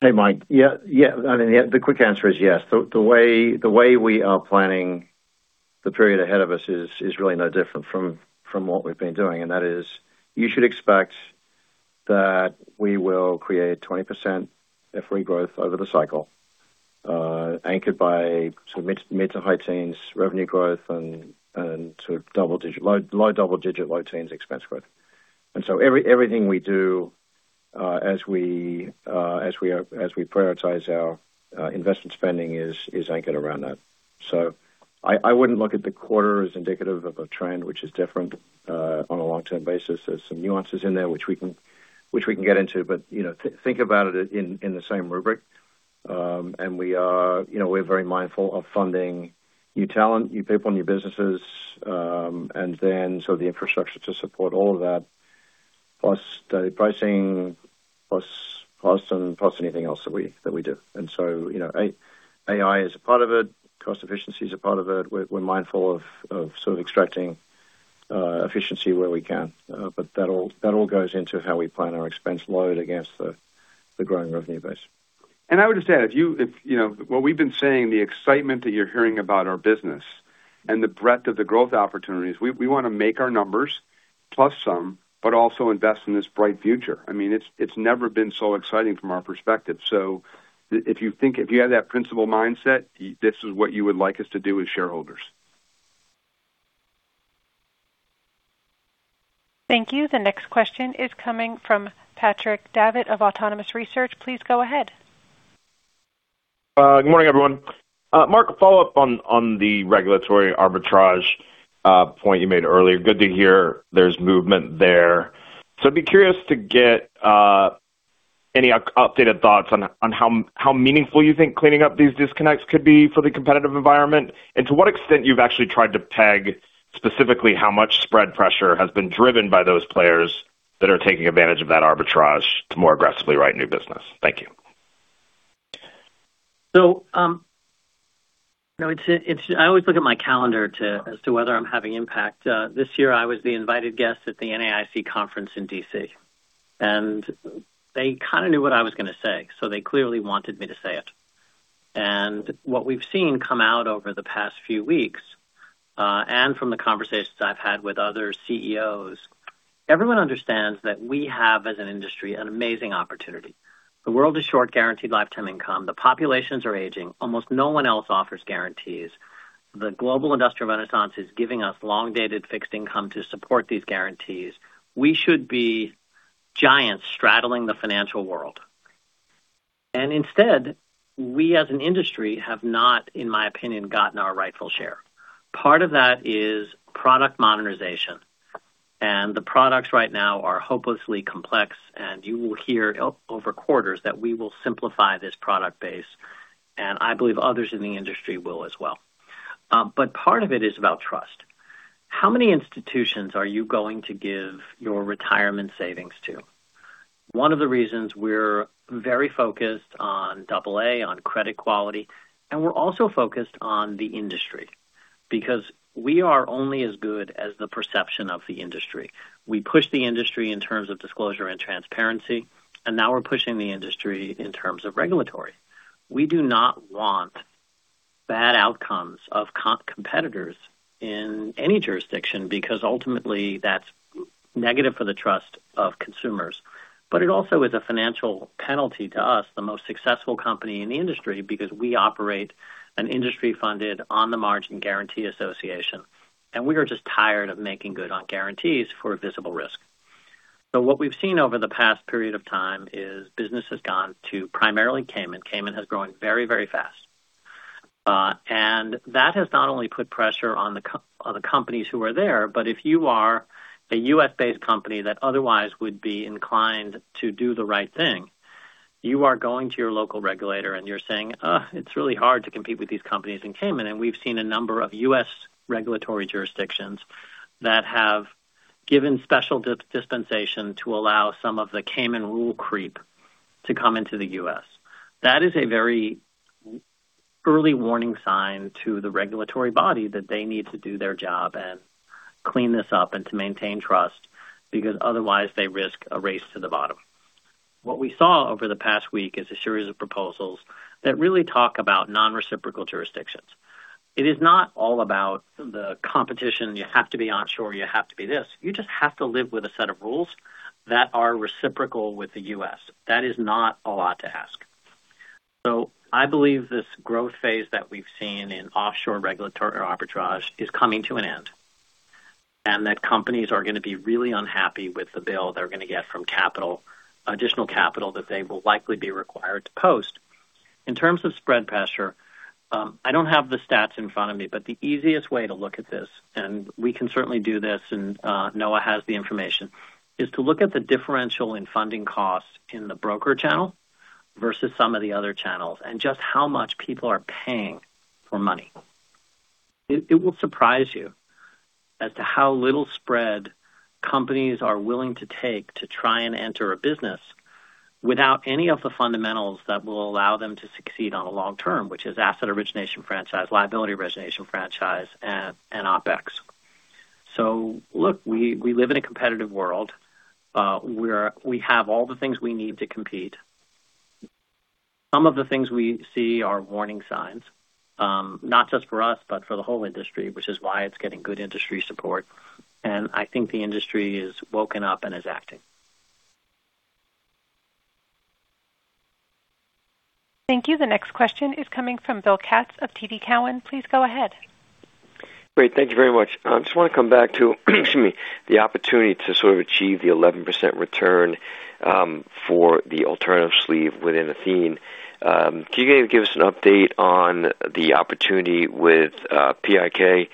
[SPEAKER 5] Hey, Mike. Yeah. The quick answer is yes. The way we are planning the period ahead of us is really no different from what we've been doing, and that is you should expect that we will create 20% FRE growth over the cycle, anchored by mid to high teens revenue growth and low double-digit, low teens expense growth. Everything we do as we prioritize our investment spending is anchored around that. I wouldn't look at the quarter as indicative of a trend which is different on a long-term basis. There's some nuances in there which we can get into, think about it in the same rubric. We're very mindful of funding new talent, new people, and new businesses, and then so the infrastructure to support all of that, plus data pricing, plus anything else that we do. AI is a part of it. Cost efficiency is a part of it. We're mindful of sort of extracting efficiency where we can. That all goes into how we plan our expense load against the growing revenue base.
[SPEAKER 4] I would just add, what we've been saying, the excitement that you're hearing about our business and the breadth of the growth opportunities, we want to make our numbers plus some, but also invest in this bright future. It's never been so exciting from our perspective. If you have that principle mindset, this is what you would like us to do as shareholders.
[SPEAKER 1] Thank you. The next question is coming from Patrick Davitt of Autonomous Research. Please go ahead.
[SPEAKER 11] Good morning, everyone. Marc, a follow-up on the regulatory arbitrage point you made earlier. Good to hear there's movement there. I'd be curious to get any updated thoughts on how meaningful you think cleaning up these disconnects could be for the competitive environment, and to what extent you've actually tried to peg specifically how much spread pressure has been driven by those players that are taking advantage of that arbitrage to more aggressively write new business. Thank you.
[SPEAKER 3] I always look at my calendar as to whether I'm having impact. This year, I was the invited guest at the NAIC conference in D.C., and they kind of knew what I was going to say. They clearly wanted me to say it. What we've seen come out over the past few weeks, and from the conversations I've had with other CEOs, everyone understands that we have, as an industry, an amazing opportunity. The world is short guaranteed lifetime income. The populations are aging. Almost no one else offers guarantees. The global industrial renaissance is giving us long-dated fixed income to support these guarantees. We should be giants straddling the financial world. Instead, we as an industry have not, in my opinion, gotten our rightful share. Part of that is product modernization. The products right now are hopelessly complex, and you will hear over quarters that we will simplify this product base. I believe others in the industry will as well. Part of it is about trust. How many institutions are you going to give your retirement savings to? One of the reasons we're very focused on AA, on credit quality. We're also focused on the industry, because we are only as good as the perception of the industry. We push the industry in terms of disclosure and transparency. Now we're pushing the industry in terms of regulatory. We do not want bad outcomes of competitors in any jurisdiction because ultimately that's negative for the trust of consumers. It also is a financial penalty to us, the most successful company in the industry, because we operate an industry-funded on-the-margin guarantee association. We are just tired of making good on guarantees for a visible risk. What we've seen over the past period of time is business has gone to primarily Cayman. Cayman has grown very, very fast. That has not only put pressure on the companies who are there, but if you are a U.S.-based company that otherwise would be inclined to do the right thing, you are going to your local regulator and you're saying, "Ugh, it's really hard to compete with these companies in Cayman." We've seen a number of U.S. regulatory jurisdictions that have given special dispensation to allow some of the Cayman rule creep to come into the U.S. That is a very early warning sign to the regulatory body that they need to do their job and clean this up and to maintain trust, because otherwise they risk a race to the bottom. What we saw over the past week is a series of proposals that really talk about non-reciprocal jurisdictions. It is not all about the competition. You have to be onshore, you have to be this. You just have to live with a set of rules that are reciprocal with the U.S. That is not a lot to ask. I believe this growth phase that we've seen in offshore regulatory arbitrage is coming to an end. That companies are going to be really unhappy with the bill they're going to get from additional capital that they will likely be required to post. In terms of spread pressure, I don't have the stats in front of me, but the easiest way to look at this, and we can certainly do this, and Noah has the information, is to look at the differential in funding costs in the broker channel versus some of the other channels and just how much people are paying for money. It will surprise you as to how little spread companies are willing to take to try and enter a business without any of the fundamentals that will allow them to succeed on a long term, which is asset origination franchise, liability origination franchise, and OpEx. Look, we live in a competitive world. We have all the things we need to compete. Some of the things we see are warning signs, not just for us, but for the whole industry, which is why it's getting good industry support. I think the industry has woken up and is acting.
[SPEAKER 1] Thank you. The next question is coming from Bill Katz of TD Cowen. Please go ahead.
[SPEAKER 12] Great. Thank you very much. Just want to come back to excuse me, the opportunity to sort of achieve the 11% return for the alternative sleeve within Athene. Can you give us an update on the opportunity with PIC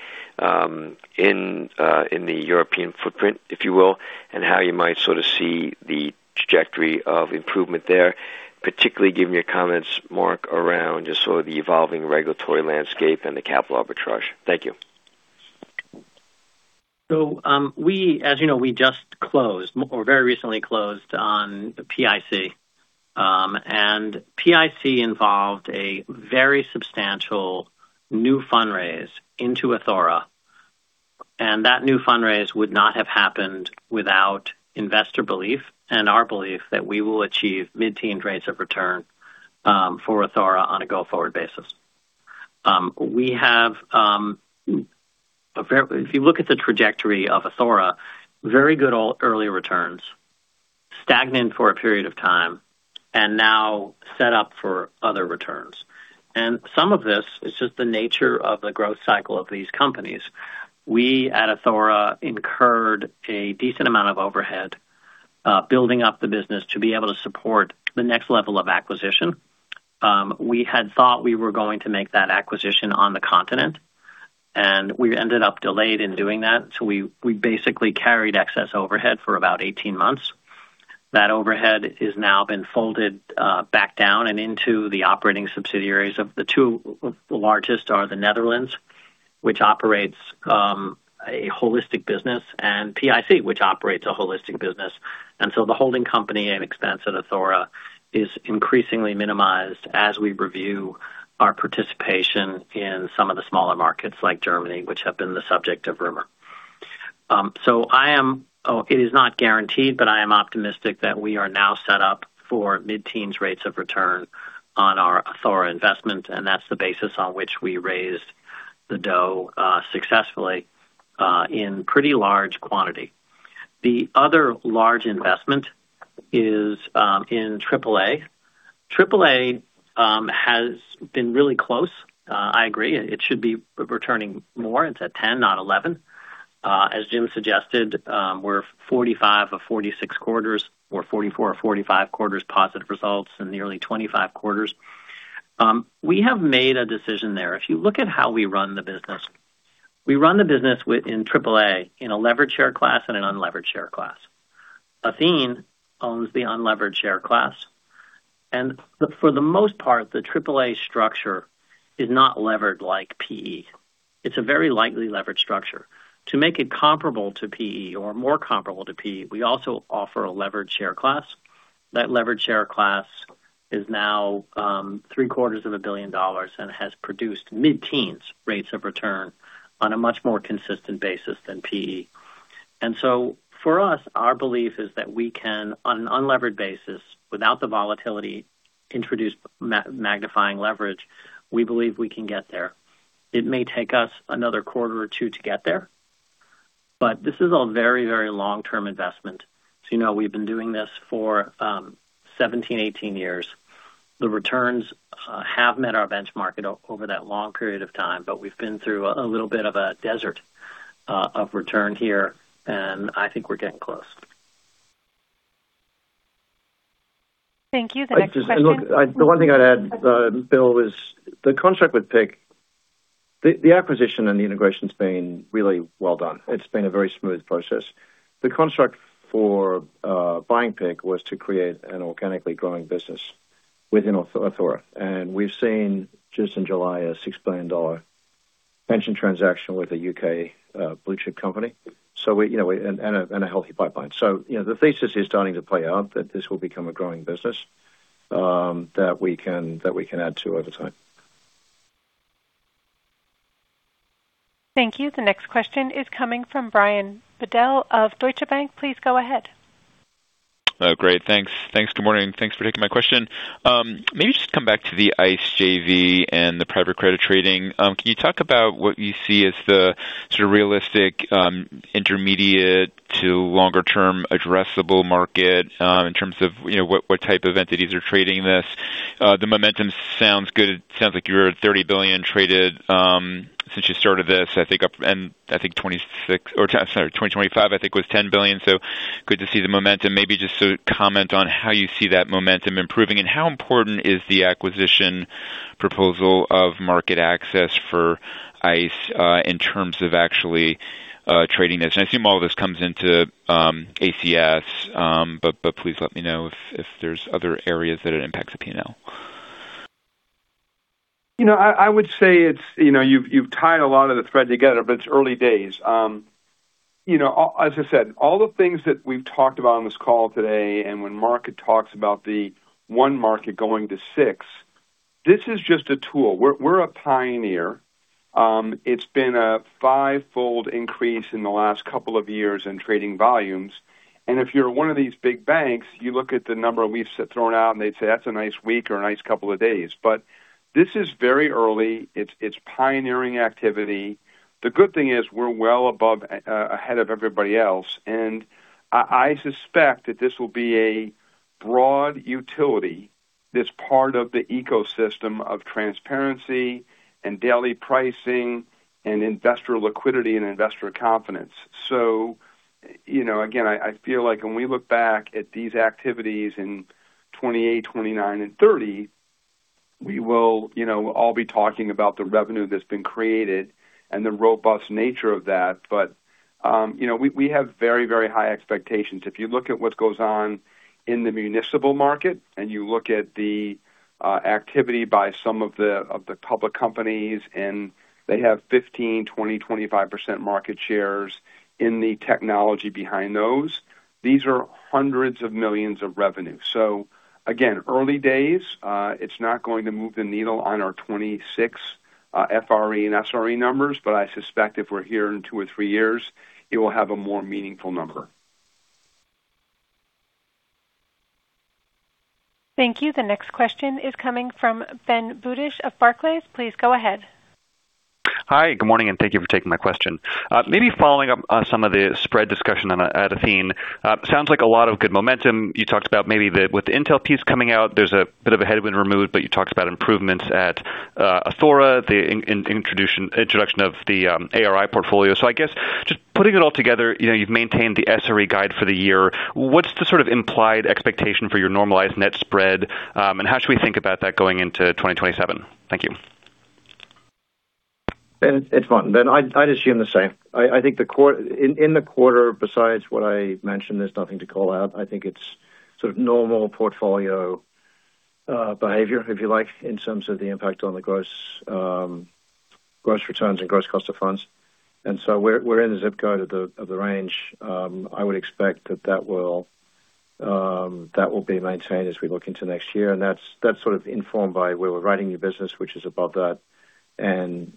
[SPEAKER 12] in the European footprint, if you will, and how you might sort of see the trajectory of improvement there, particularly given your comments, Marc, around just sort of the evolving regulatory landscape and the capital arbitrage. Thank you.
[SPEAKER 3] As you know, we just closed, or very recently closed on PIC. PIC involved a very substantial new fundraise into Athora. That new fundraise would not have happened without investor belief and our belief that we will achieve mid-teen rates of return for Athora on a go-forward basis. If you look at the trajectory of Athora, very good early returns, stagnant for a period of time, now set up for other returns. Some of this is just the nature of the growth cycle of these companies. We at Athora incurred a decent amount of overhead building up the business to be able to support the next level of acquisition. We had thought we were going to make that acquisition on the continent, and we ended up delayed in doing that. We basically carried excess overhead for about 18 months. That overhead has now been folded back down and into the operating subsidiaries. The two largest are the Netherlands, which operates a holistic business, and PIC, which operates a holistic business. The holding company and expense at Athora is increasingly minimized as we review our participation in some of the smaller markets like Germany, which have been the subject of rumor. It is not guaranteed, but I am optimistic that we are now set up for mid-teens rates of return on our Athora investment, and that's the basis on which we raised the dough successfully in pretty large quantity. The other large investment is in AAA. AAA has been really close. I agree. It should be returning more. It's at 10, not 11. As Jim suggested, we're 45 of 46 quarters or 44 or 45 quarters positive results in the early 25 quarters. We have made a decision there. If you look at how we run the business, we run the business in AAA, in a leveraged share class and an unlevered share class. Athene owns the unlevered share class. For the most part, the AAA structure is not levered like PE. It's a very lightly leveraged structure. To make it comparable to PE or more comparable to PE, we also offer a leveraged share class. That leveraged share class is now three quarters of a billion dollars and has produced mid-teens rates of return on a much more consistent basis than PE. For us, our belief is that we can, on an unlevered basis, without the volatility introduce magnifying leverage. We believe we can get there. It may take us another quarter or two to get there, but this is a very long-term investment. You know we've been doing this for 17, 18 years. The returns have met our benchmark over that long period of time, but we've been through a little bit of a desert of return here, and I think we're getting close.
[SPEAKER 1] Thank you. The next question.
[SPEAKER 4] The one thing I'd add, Bill, is the contract with PIC. The acquisition and the integration's been really well done. It's been a very smooth process. The construct for buying PIC was to create an organically growing business within Athora. We've seen just in July a $6 billion pension transaction with a U.K. blue-chip company. A healthy pipeline. The thesis is starting to play out that this will become a growing business that we can add to over time.
[SPEAKER 1] Thank you. The next question is coming from Brian Bedell of Deutsche Bank. Please go ahead.
[SPEAKER 13] Great. Thanks. Good morning. Thanks for taking my question. Maybe just come back to the ICE JV and the private credit trading. Can you talk about what you see as the realistic intermediate to longer term addressable market in terms of what type of entities are trading this? The momentum sounds good. It sounds like you're at $30 billion traded since you started this. 2025 was $10 billion. Good to see the momentum. Maybe just to comment on how you see that momentum improving and how important is the acquisition proposal of market access for ICE in terms of actually trading this. I assume all this comes into ACS but please let me know if there's other areas that it impacts the P&L.
[SPEAKER 4] I would say you've tied a lot of the thread together, but it's early days. As I said, all the things that we've talked about on this call today and when Marc talks about the one market going to six, this is just a tool. We're a pioneer. It's been a fivefold increase in the last couple of years in trading volumes. If you're one of these big banks, you look at the number we've thrown out, and they'd say, "That's a nice week or a nice couple of days." But this is very early. It's pioneering activity. The good thing is we're well above ahead of everybody else. I suspect that this will be a broad utility that's part of the ecosystem of transparency and daily pricing and investor liquidity and investor confidence. Again, I feel like when we look back at these activities in 2028, 2029, and 2030, we will all be talking about the revenue that's been created and the robust nature of that. We have very high expectations. If you look at what goes on in the municipal market and you look at the activity by some of the public companies, they have 15%, 20%, 25% market shares in the technology behind those. These are hundreds of millions of revenue. Again, early days. It's not going to move the needle on our 2026 FRE and SRE numbers, but I suspect if we're here in two or three years, it will have a more meaningful number.
[SPEAKER 1] Thank you. The next question is coming from Ben Budish of Barclays. Please go ahead.
[SPEAKER 14] Hi, good morning, thank you for taking my question. Maybe following up on some of the spread discussion at Athene. Sounds like a lot of good momentum. You talked about maybe that with the Intel piece coming out, there's a bit of a headwind removed, you talked about improvements at Athora, the introduction of the ARI portfolio. I guess just putting it all together, you've maintained the SRE guide for the year. What's the sort of implied expectation for your normalized net spread? How should we think about that going into 2027? Thank you.
[SPEAKER 15] Ben, it's [Vaughn]. Ben, I'd assume the same. I think in the quarter, besides what I mentioned, there's nothing to call out. I think it's sort of normal portfolio behavior, if you like, in terms of the impact on the gross returns and gross cost of funds. We're in the zip code of the range. I would expect that will be maintained as we look into next year. That's sort of informed by where we're writing new business, which is above that, and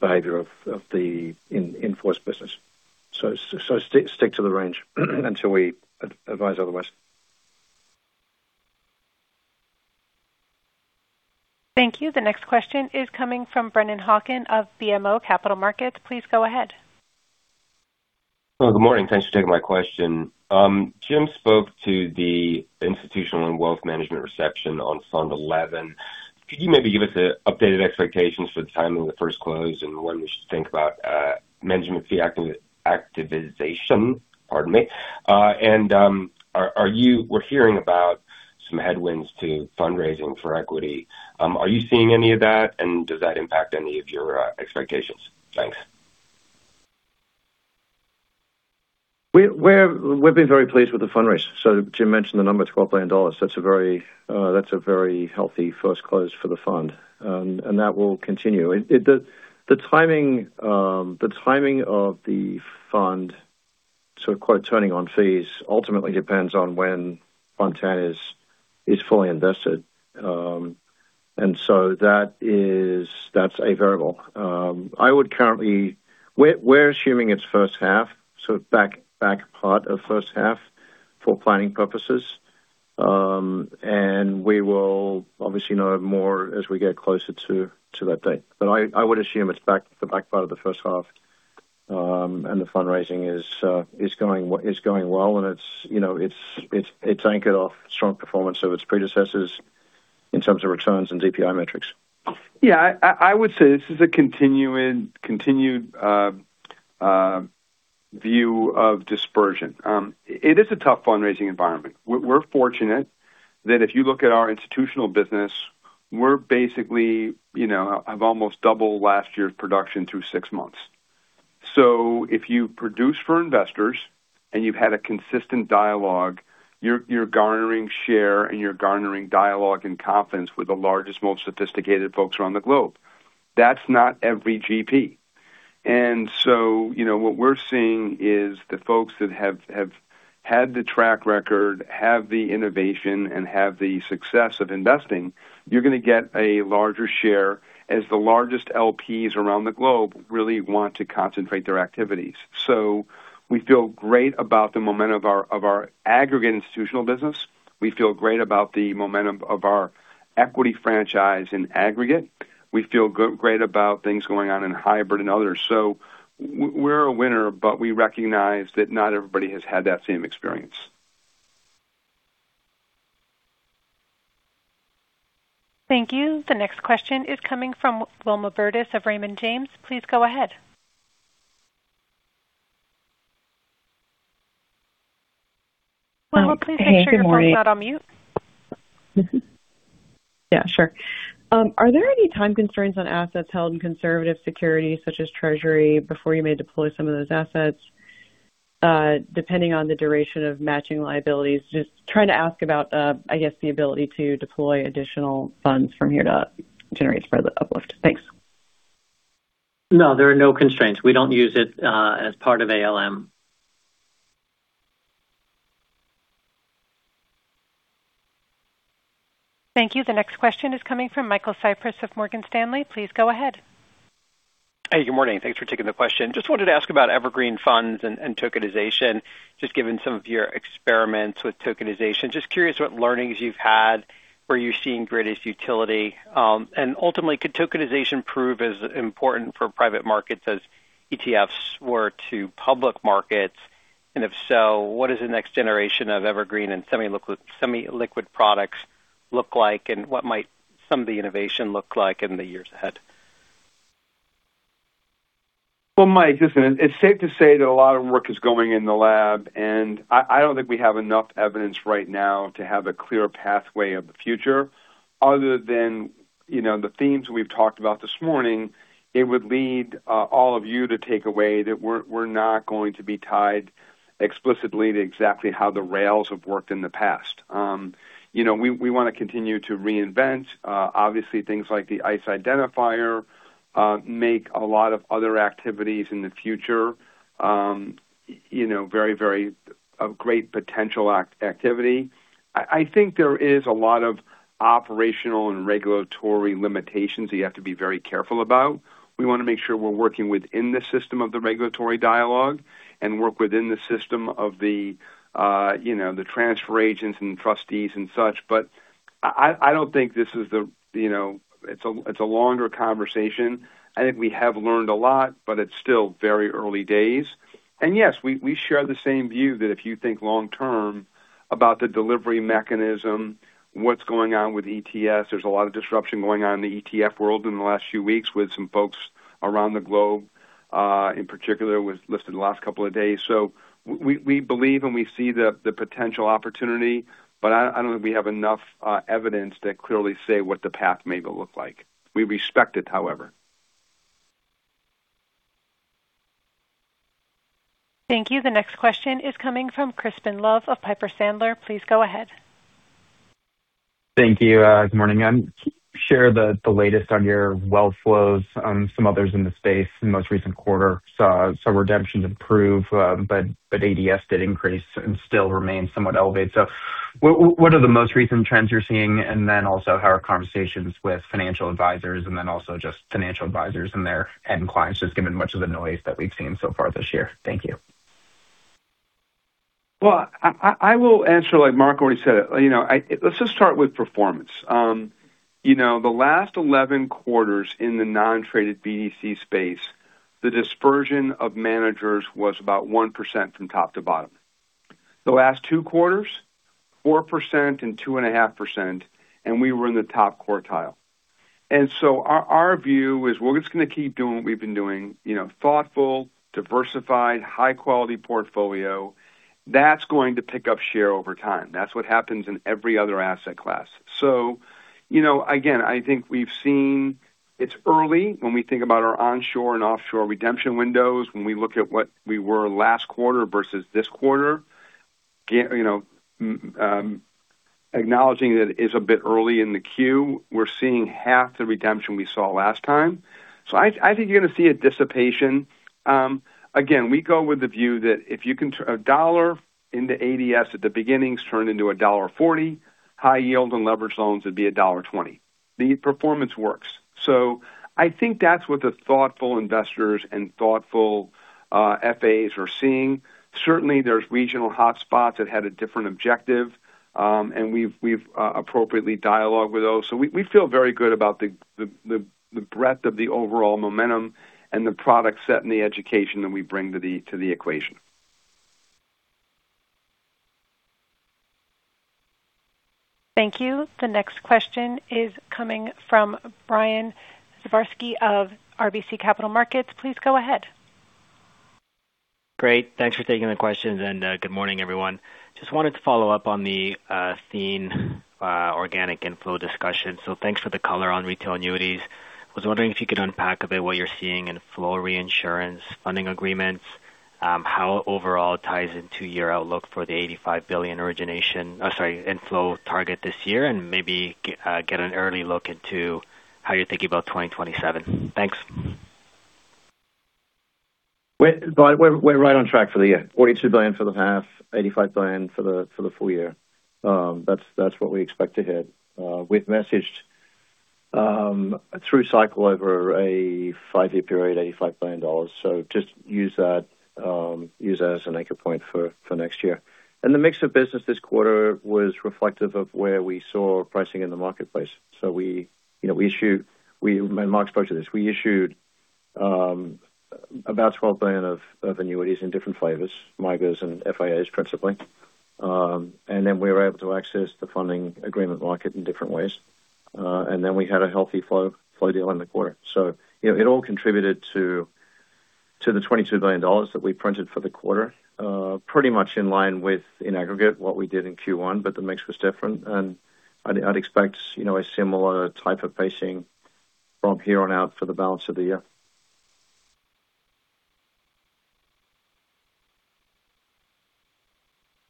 [SPEAKER 15] behavior of the in-force business. Stick to the range until we advise otherwise.
[SPEAKER 1] Thank you. The next question is coming from Brennan Hawken of BMO Capital Markets. Please go ahead.
[SPEAKER 16] Good morning. Thanks for taking my question. Jim spoke to the institutional and wealth management reception on Fund XI. Could you maybe give us updated expectations for the timing of the first close and when we should think about management fee activization? Pardon me. We're hearing about some headwinds to fundraising for equity. Are you seeing any of that, and does that impact any of your expectations? Thanks.
[SPEAKER 5] We've been very pleased with the fundraise. Jim mentioned the number, $12 billion. That's a very healthy first close for the fund. That will continue. The timing of the fund, so quote, "turning on fees" ultimately depends on when Montana is fully invested. That's a variable. We're assuming it's first half, so back part of first half for planning purposes. We will obviously know more as we get closer to that date. I would assume it's the back part of the first half. The fundraising is going well, and it's anchored off strong performance of its predecessors in terms of returns and DPI metrics.
[SPEAKER 4] Yeah, I would say this is a continued view of dispersion. It is a tough fundraising environment. We're fortunate that if you look at our institutional business, we're basically have almost double last year's production through six months. If you produce for investors and you've had a consistent dialogue, you're garnering share and you're garnering dialogue and confidence with the largest, most sophisticated folks around the globe. That's not every GP. What we're seeing is the folks that have had the track record, have the innovation, and have the success of investing, you're going to get a larger share as the largest LPs around the globe really want to concentrate their activities. We feel great about the momentum of our aggregate institutional business. We feel great about the momentum of our equity franchise in aggregate. We feel great about things going on in hybrid and others. We're a winner, but we recognize that not everybody has had that same experience.
[SPEAKER 1] Thank you. The next question is coming from Wilma Burdis of Raymond James. Please go ahead. Wilma, please make sure your phone's not on mute.
[SPEAKER 17] Yeah, sure. Are there any time constraints on assets held in conservative securities such as Treasury before you may deploy some of those assets, depending on the duration of matching liabilities? Just trying to ask about, I guess, the ability to deploy additional funds from here to generate spread uplift. Thanks.
[SPEAKER 15] No, there are no constraints. We don't use it as part of ALM.
[SPEAKER 1] Thank you. The next question is coming from Michael Cyprys of Morgan Stanley. Please go ahead.
[SPEAKER 18] Hey, good morning. Thanks for taking the question. Just wanted to ask about evergreen funds and tokenization. Just given some of your experiments with tokenization, just curious what learnings you've had. Where are you seeing greatest utility? Ultimately, could tokenization prove as important for private markets as ETFs were to public markets? If so, what does the next generation of evergreen and semi-liquid products look like, and what might some of the innovation look like in the years ahead?
[SPEAKER 4] Well, Mike, listen, it's safe to say that a lot of work is going in the lab, I don't think we have enough evidence right now to have a clear pathway of the future. Other than the themes we've talked about this morning, it would lead all of you to take away that we're not going to be tied explicitly to exactly how the rails have worked in the past. We want to continue to reinvent. Obviously, things like the ICE identifier make a lot of other activities in the future of great potential activity. I think there is a lot of operational and regulatory limitations that you have to be very careful about. We want to make sure we're working within the system of the regulatory dialogue and work within the system of the transfer agents and trustees and such. It's a longer conversation. I think we have learned a lot, but it's still very early days. Yes, we share the same view that if you think long term about the delivery mechanism, what's going on with ETFs, there's a lot of disruption going on in the ETF world in the last few weeks with some folks around the globe, in particular, was listed the last couple of days. We believe and we see the potential opportunity, but I don't think we have enough evidence to clearly say what the path may look like. We respect it, however.
[SPEAKER 1] Thank you. The next question is coming from Crispin Love of Piper Sandler. Please go ahead.
[SPEAKER 19] Thank you. Good morning. Share the latest on your wealth flows. Some others in the space in the most recent quarter saw some redemptions improve, ADS did increase and still remain somewhat elevated. What are the most recent trends you're seeing? How are conversations with financial advisors and then also just financial advisors and their end clients, just given much of the noise that we've seen so far this year. Thank you.
[SPEAKER 4] Well, I will answer like Marc already said. Let's just start with performance. The last 11 quarters in the non-traded BDC space, the dispersion of managers was about 1% from top to bottom. The last two quarters, 4% and 2.5%, we were in the top quartile. Our view is we're just going to keep doing what we've been doing. Thoughtful, diversified, high-quality portfolio. That's going to pick up share over time. That's what happens in every other asset class. Again, I think we've seen it's early when we think about our onshore and offshore redemption windows, when we look at what we were last quarter versus this quarter. Acknowledging that it is a bit early in the queue, we're seeing half the redemption we saw last time. I think you're going to see a dissipation. We go with the view that if a dollar into ADS at the beginnings turned into a $1.40, high yield on leverage loans would be $1.20. The performance works. I think that's what the thoughtful investors and thoughtful FAs are seeing. Certainly, there's regional hotspots that had a different objective. We've appropriately dialogued with those. We feel very good about the breadth of the overall momentum and the product set and the education that we bring to the equation.
[SPEAKER 1] Thank you. The next question is coming from Brian Zbarsky of RBC Capital Markets. Please go ahead.
[SPEAKER 20] Great. Thanks for taking the questions, good morning, everyone. Just wanted to follow-up on the theme organic inflow discussion. Thanks for the color on retail annuities. I was wondering if you could unpack a bit what you're seeing in flow reinsurance funding agreements. How overall it ties into your outlook for the $85 billion inflow target this year, and maybe get an early look into how you're thinking about 2027. Thanks.
[SPEAKER 15] We're right on track for the year. $42 billion for the half, $85 billion for the full year. That's what we expect to hit. We've messaged through cycle over a five-year period, $85 billion. Just use that as an anchor point for next year. The mix of business this quarter was reflective of where we saw pricing in the marketplace. Marc spoke to this. We issued about $12 billion of annuities in different flavors, MYGA and FIA, principally. We were able to access the funding agreement market in different ways. We had a healthy flow deal in the quarter. It all contributed to the $22 billion that we printed for the quarter. Pretty much in line with in aggregate, what we did in Q1, the mix was different. I'd expect a similar type of pacing from here on out for the balance of the year.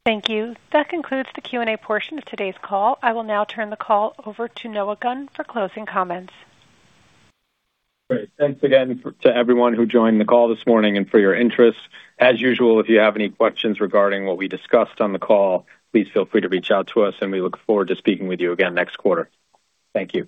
[SPEAKER 1] Thank you. That concludes the Q&A portion of today's call. I will now turn the call over to Noah Gunn for closing comments.
[SPEAKER 2] Great. Thanks again to everyone who joined the call this morning and for your interest. As usual, if you have any questions regarding what we discussed on the call, please feel free to reach out to us, and we look forward to speaking with you again next quarter. Thank you.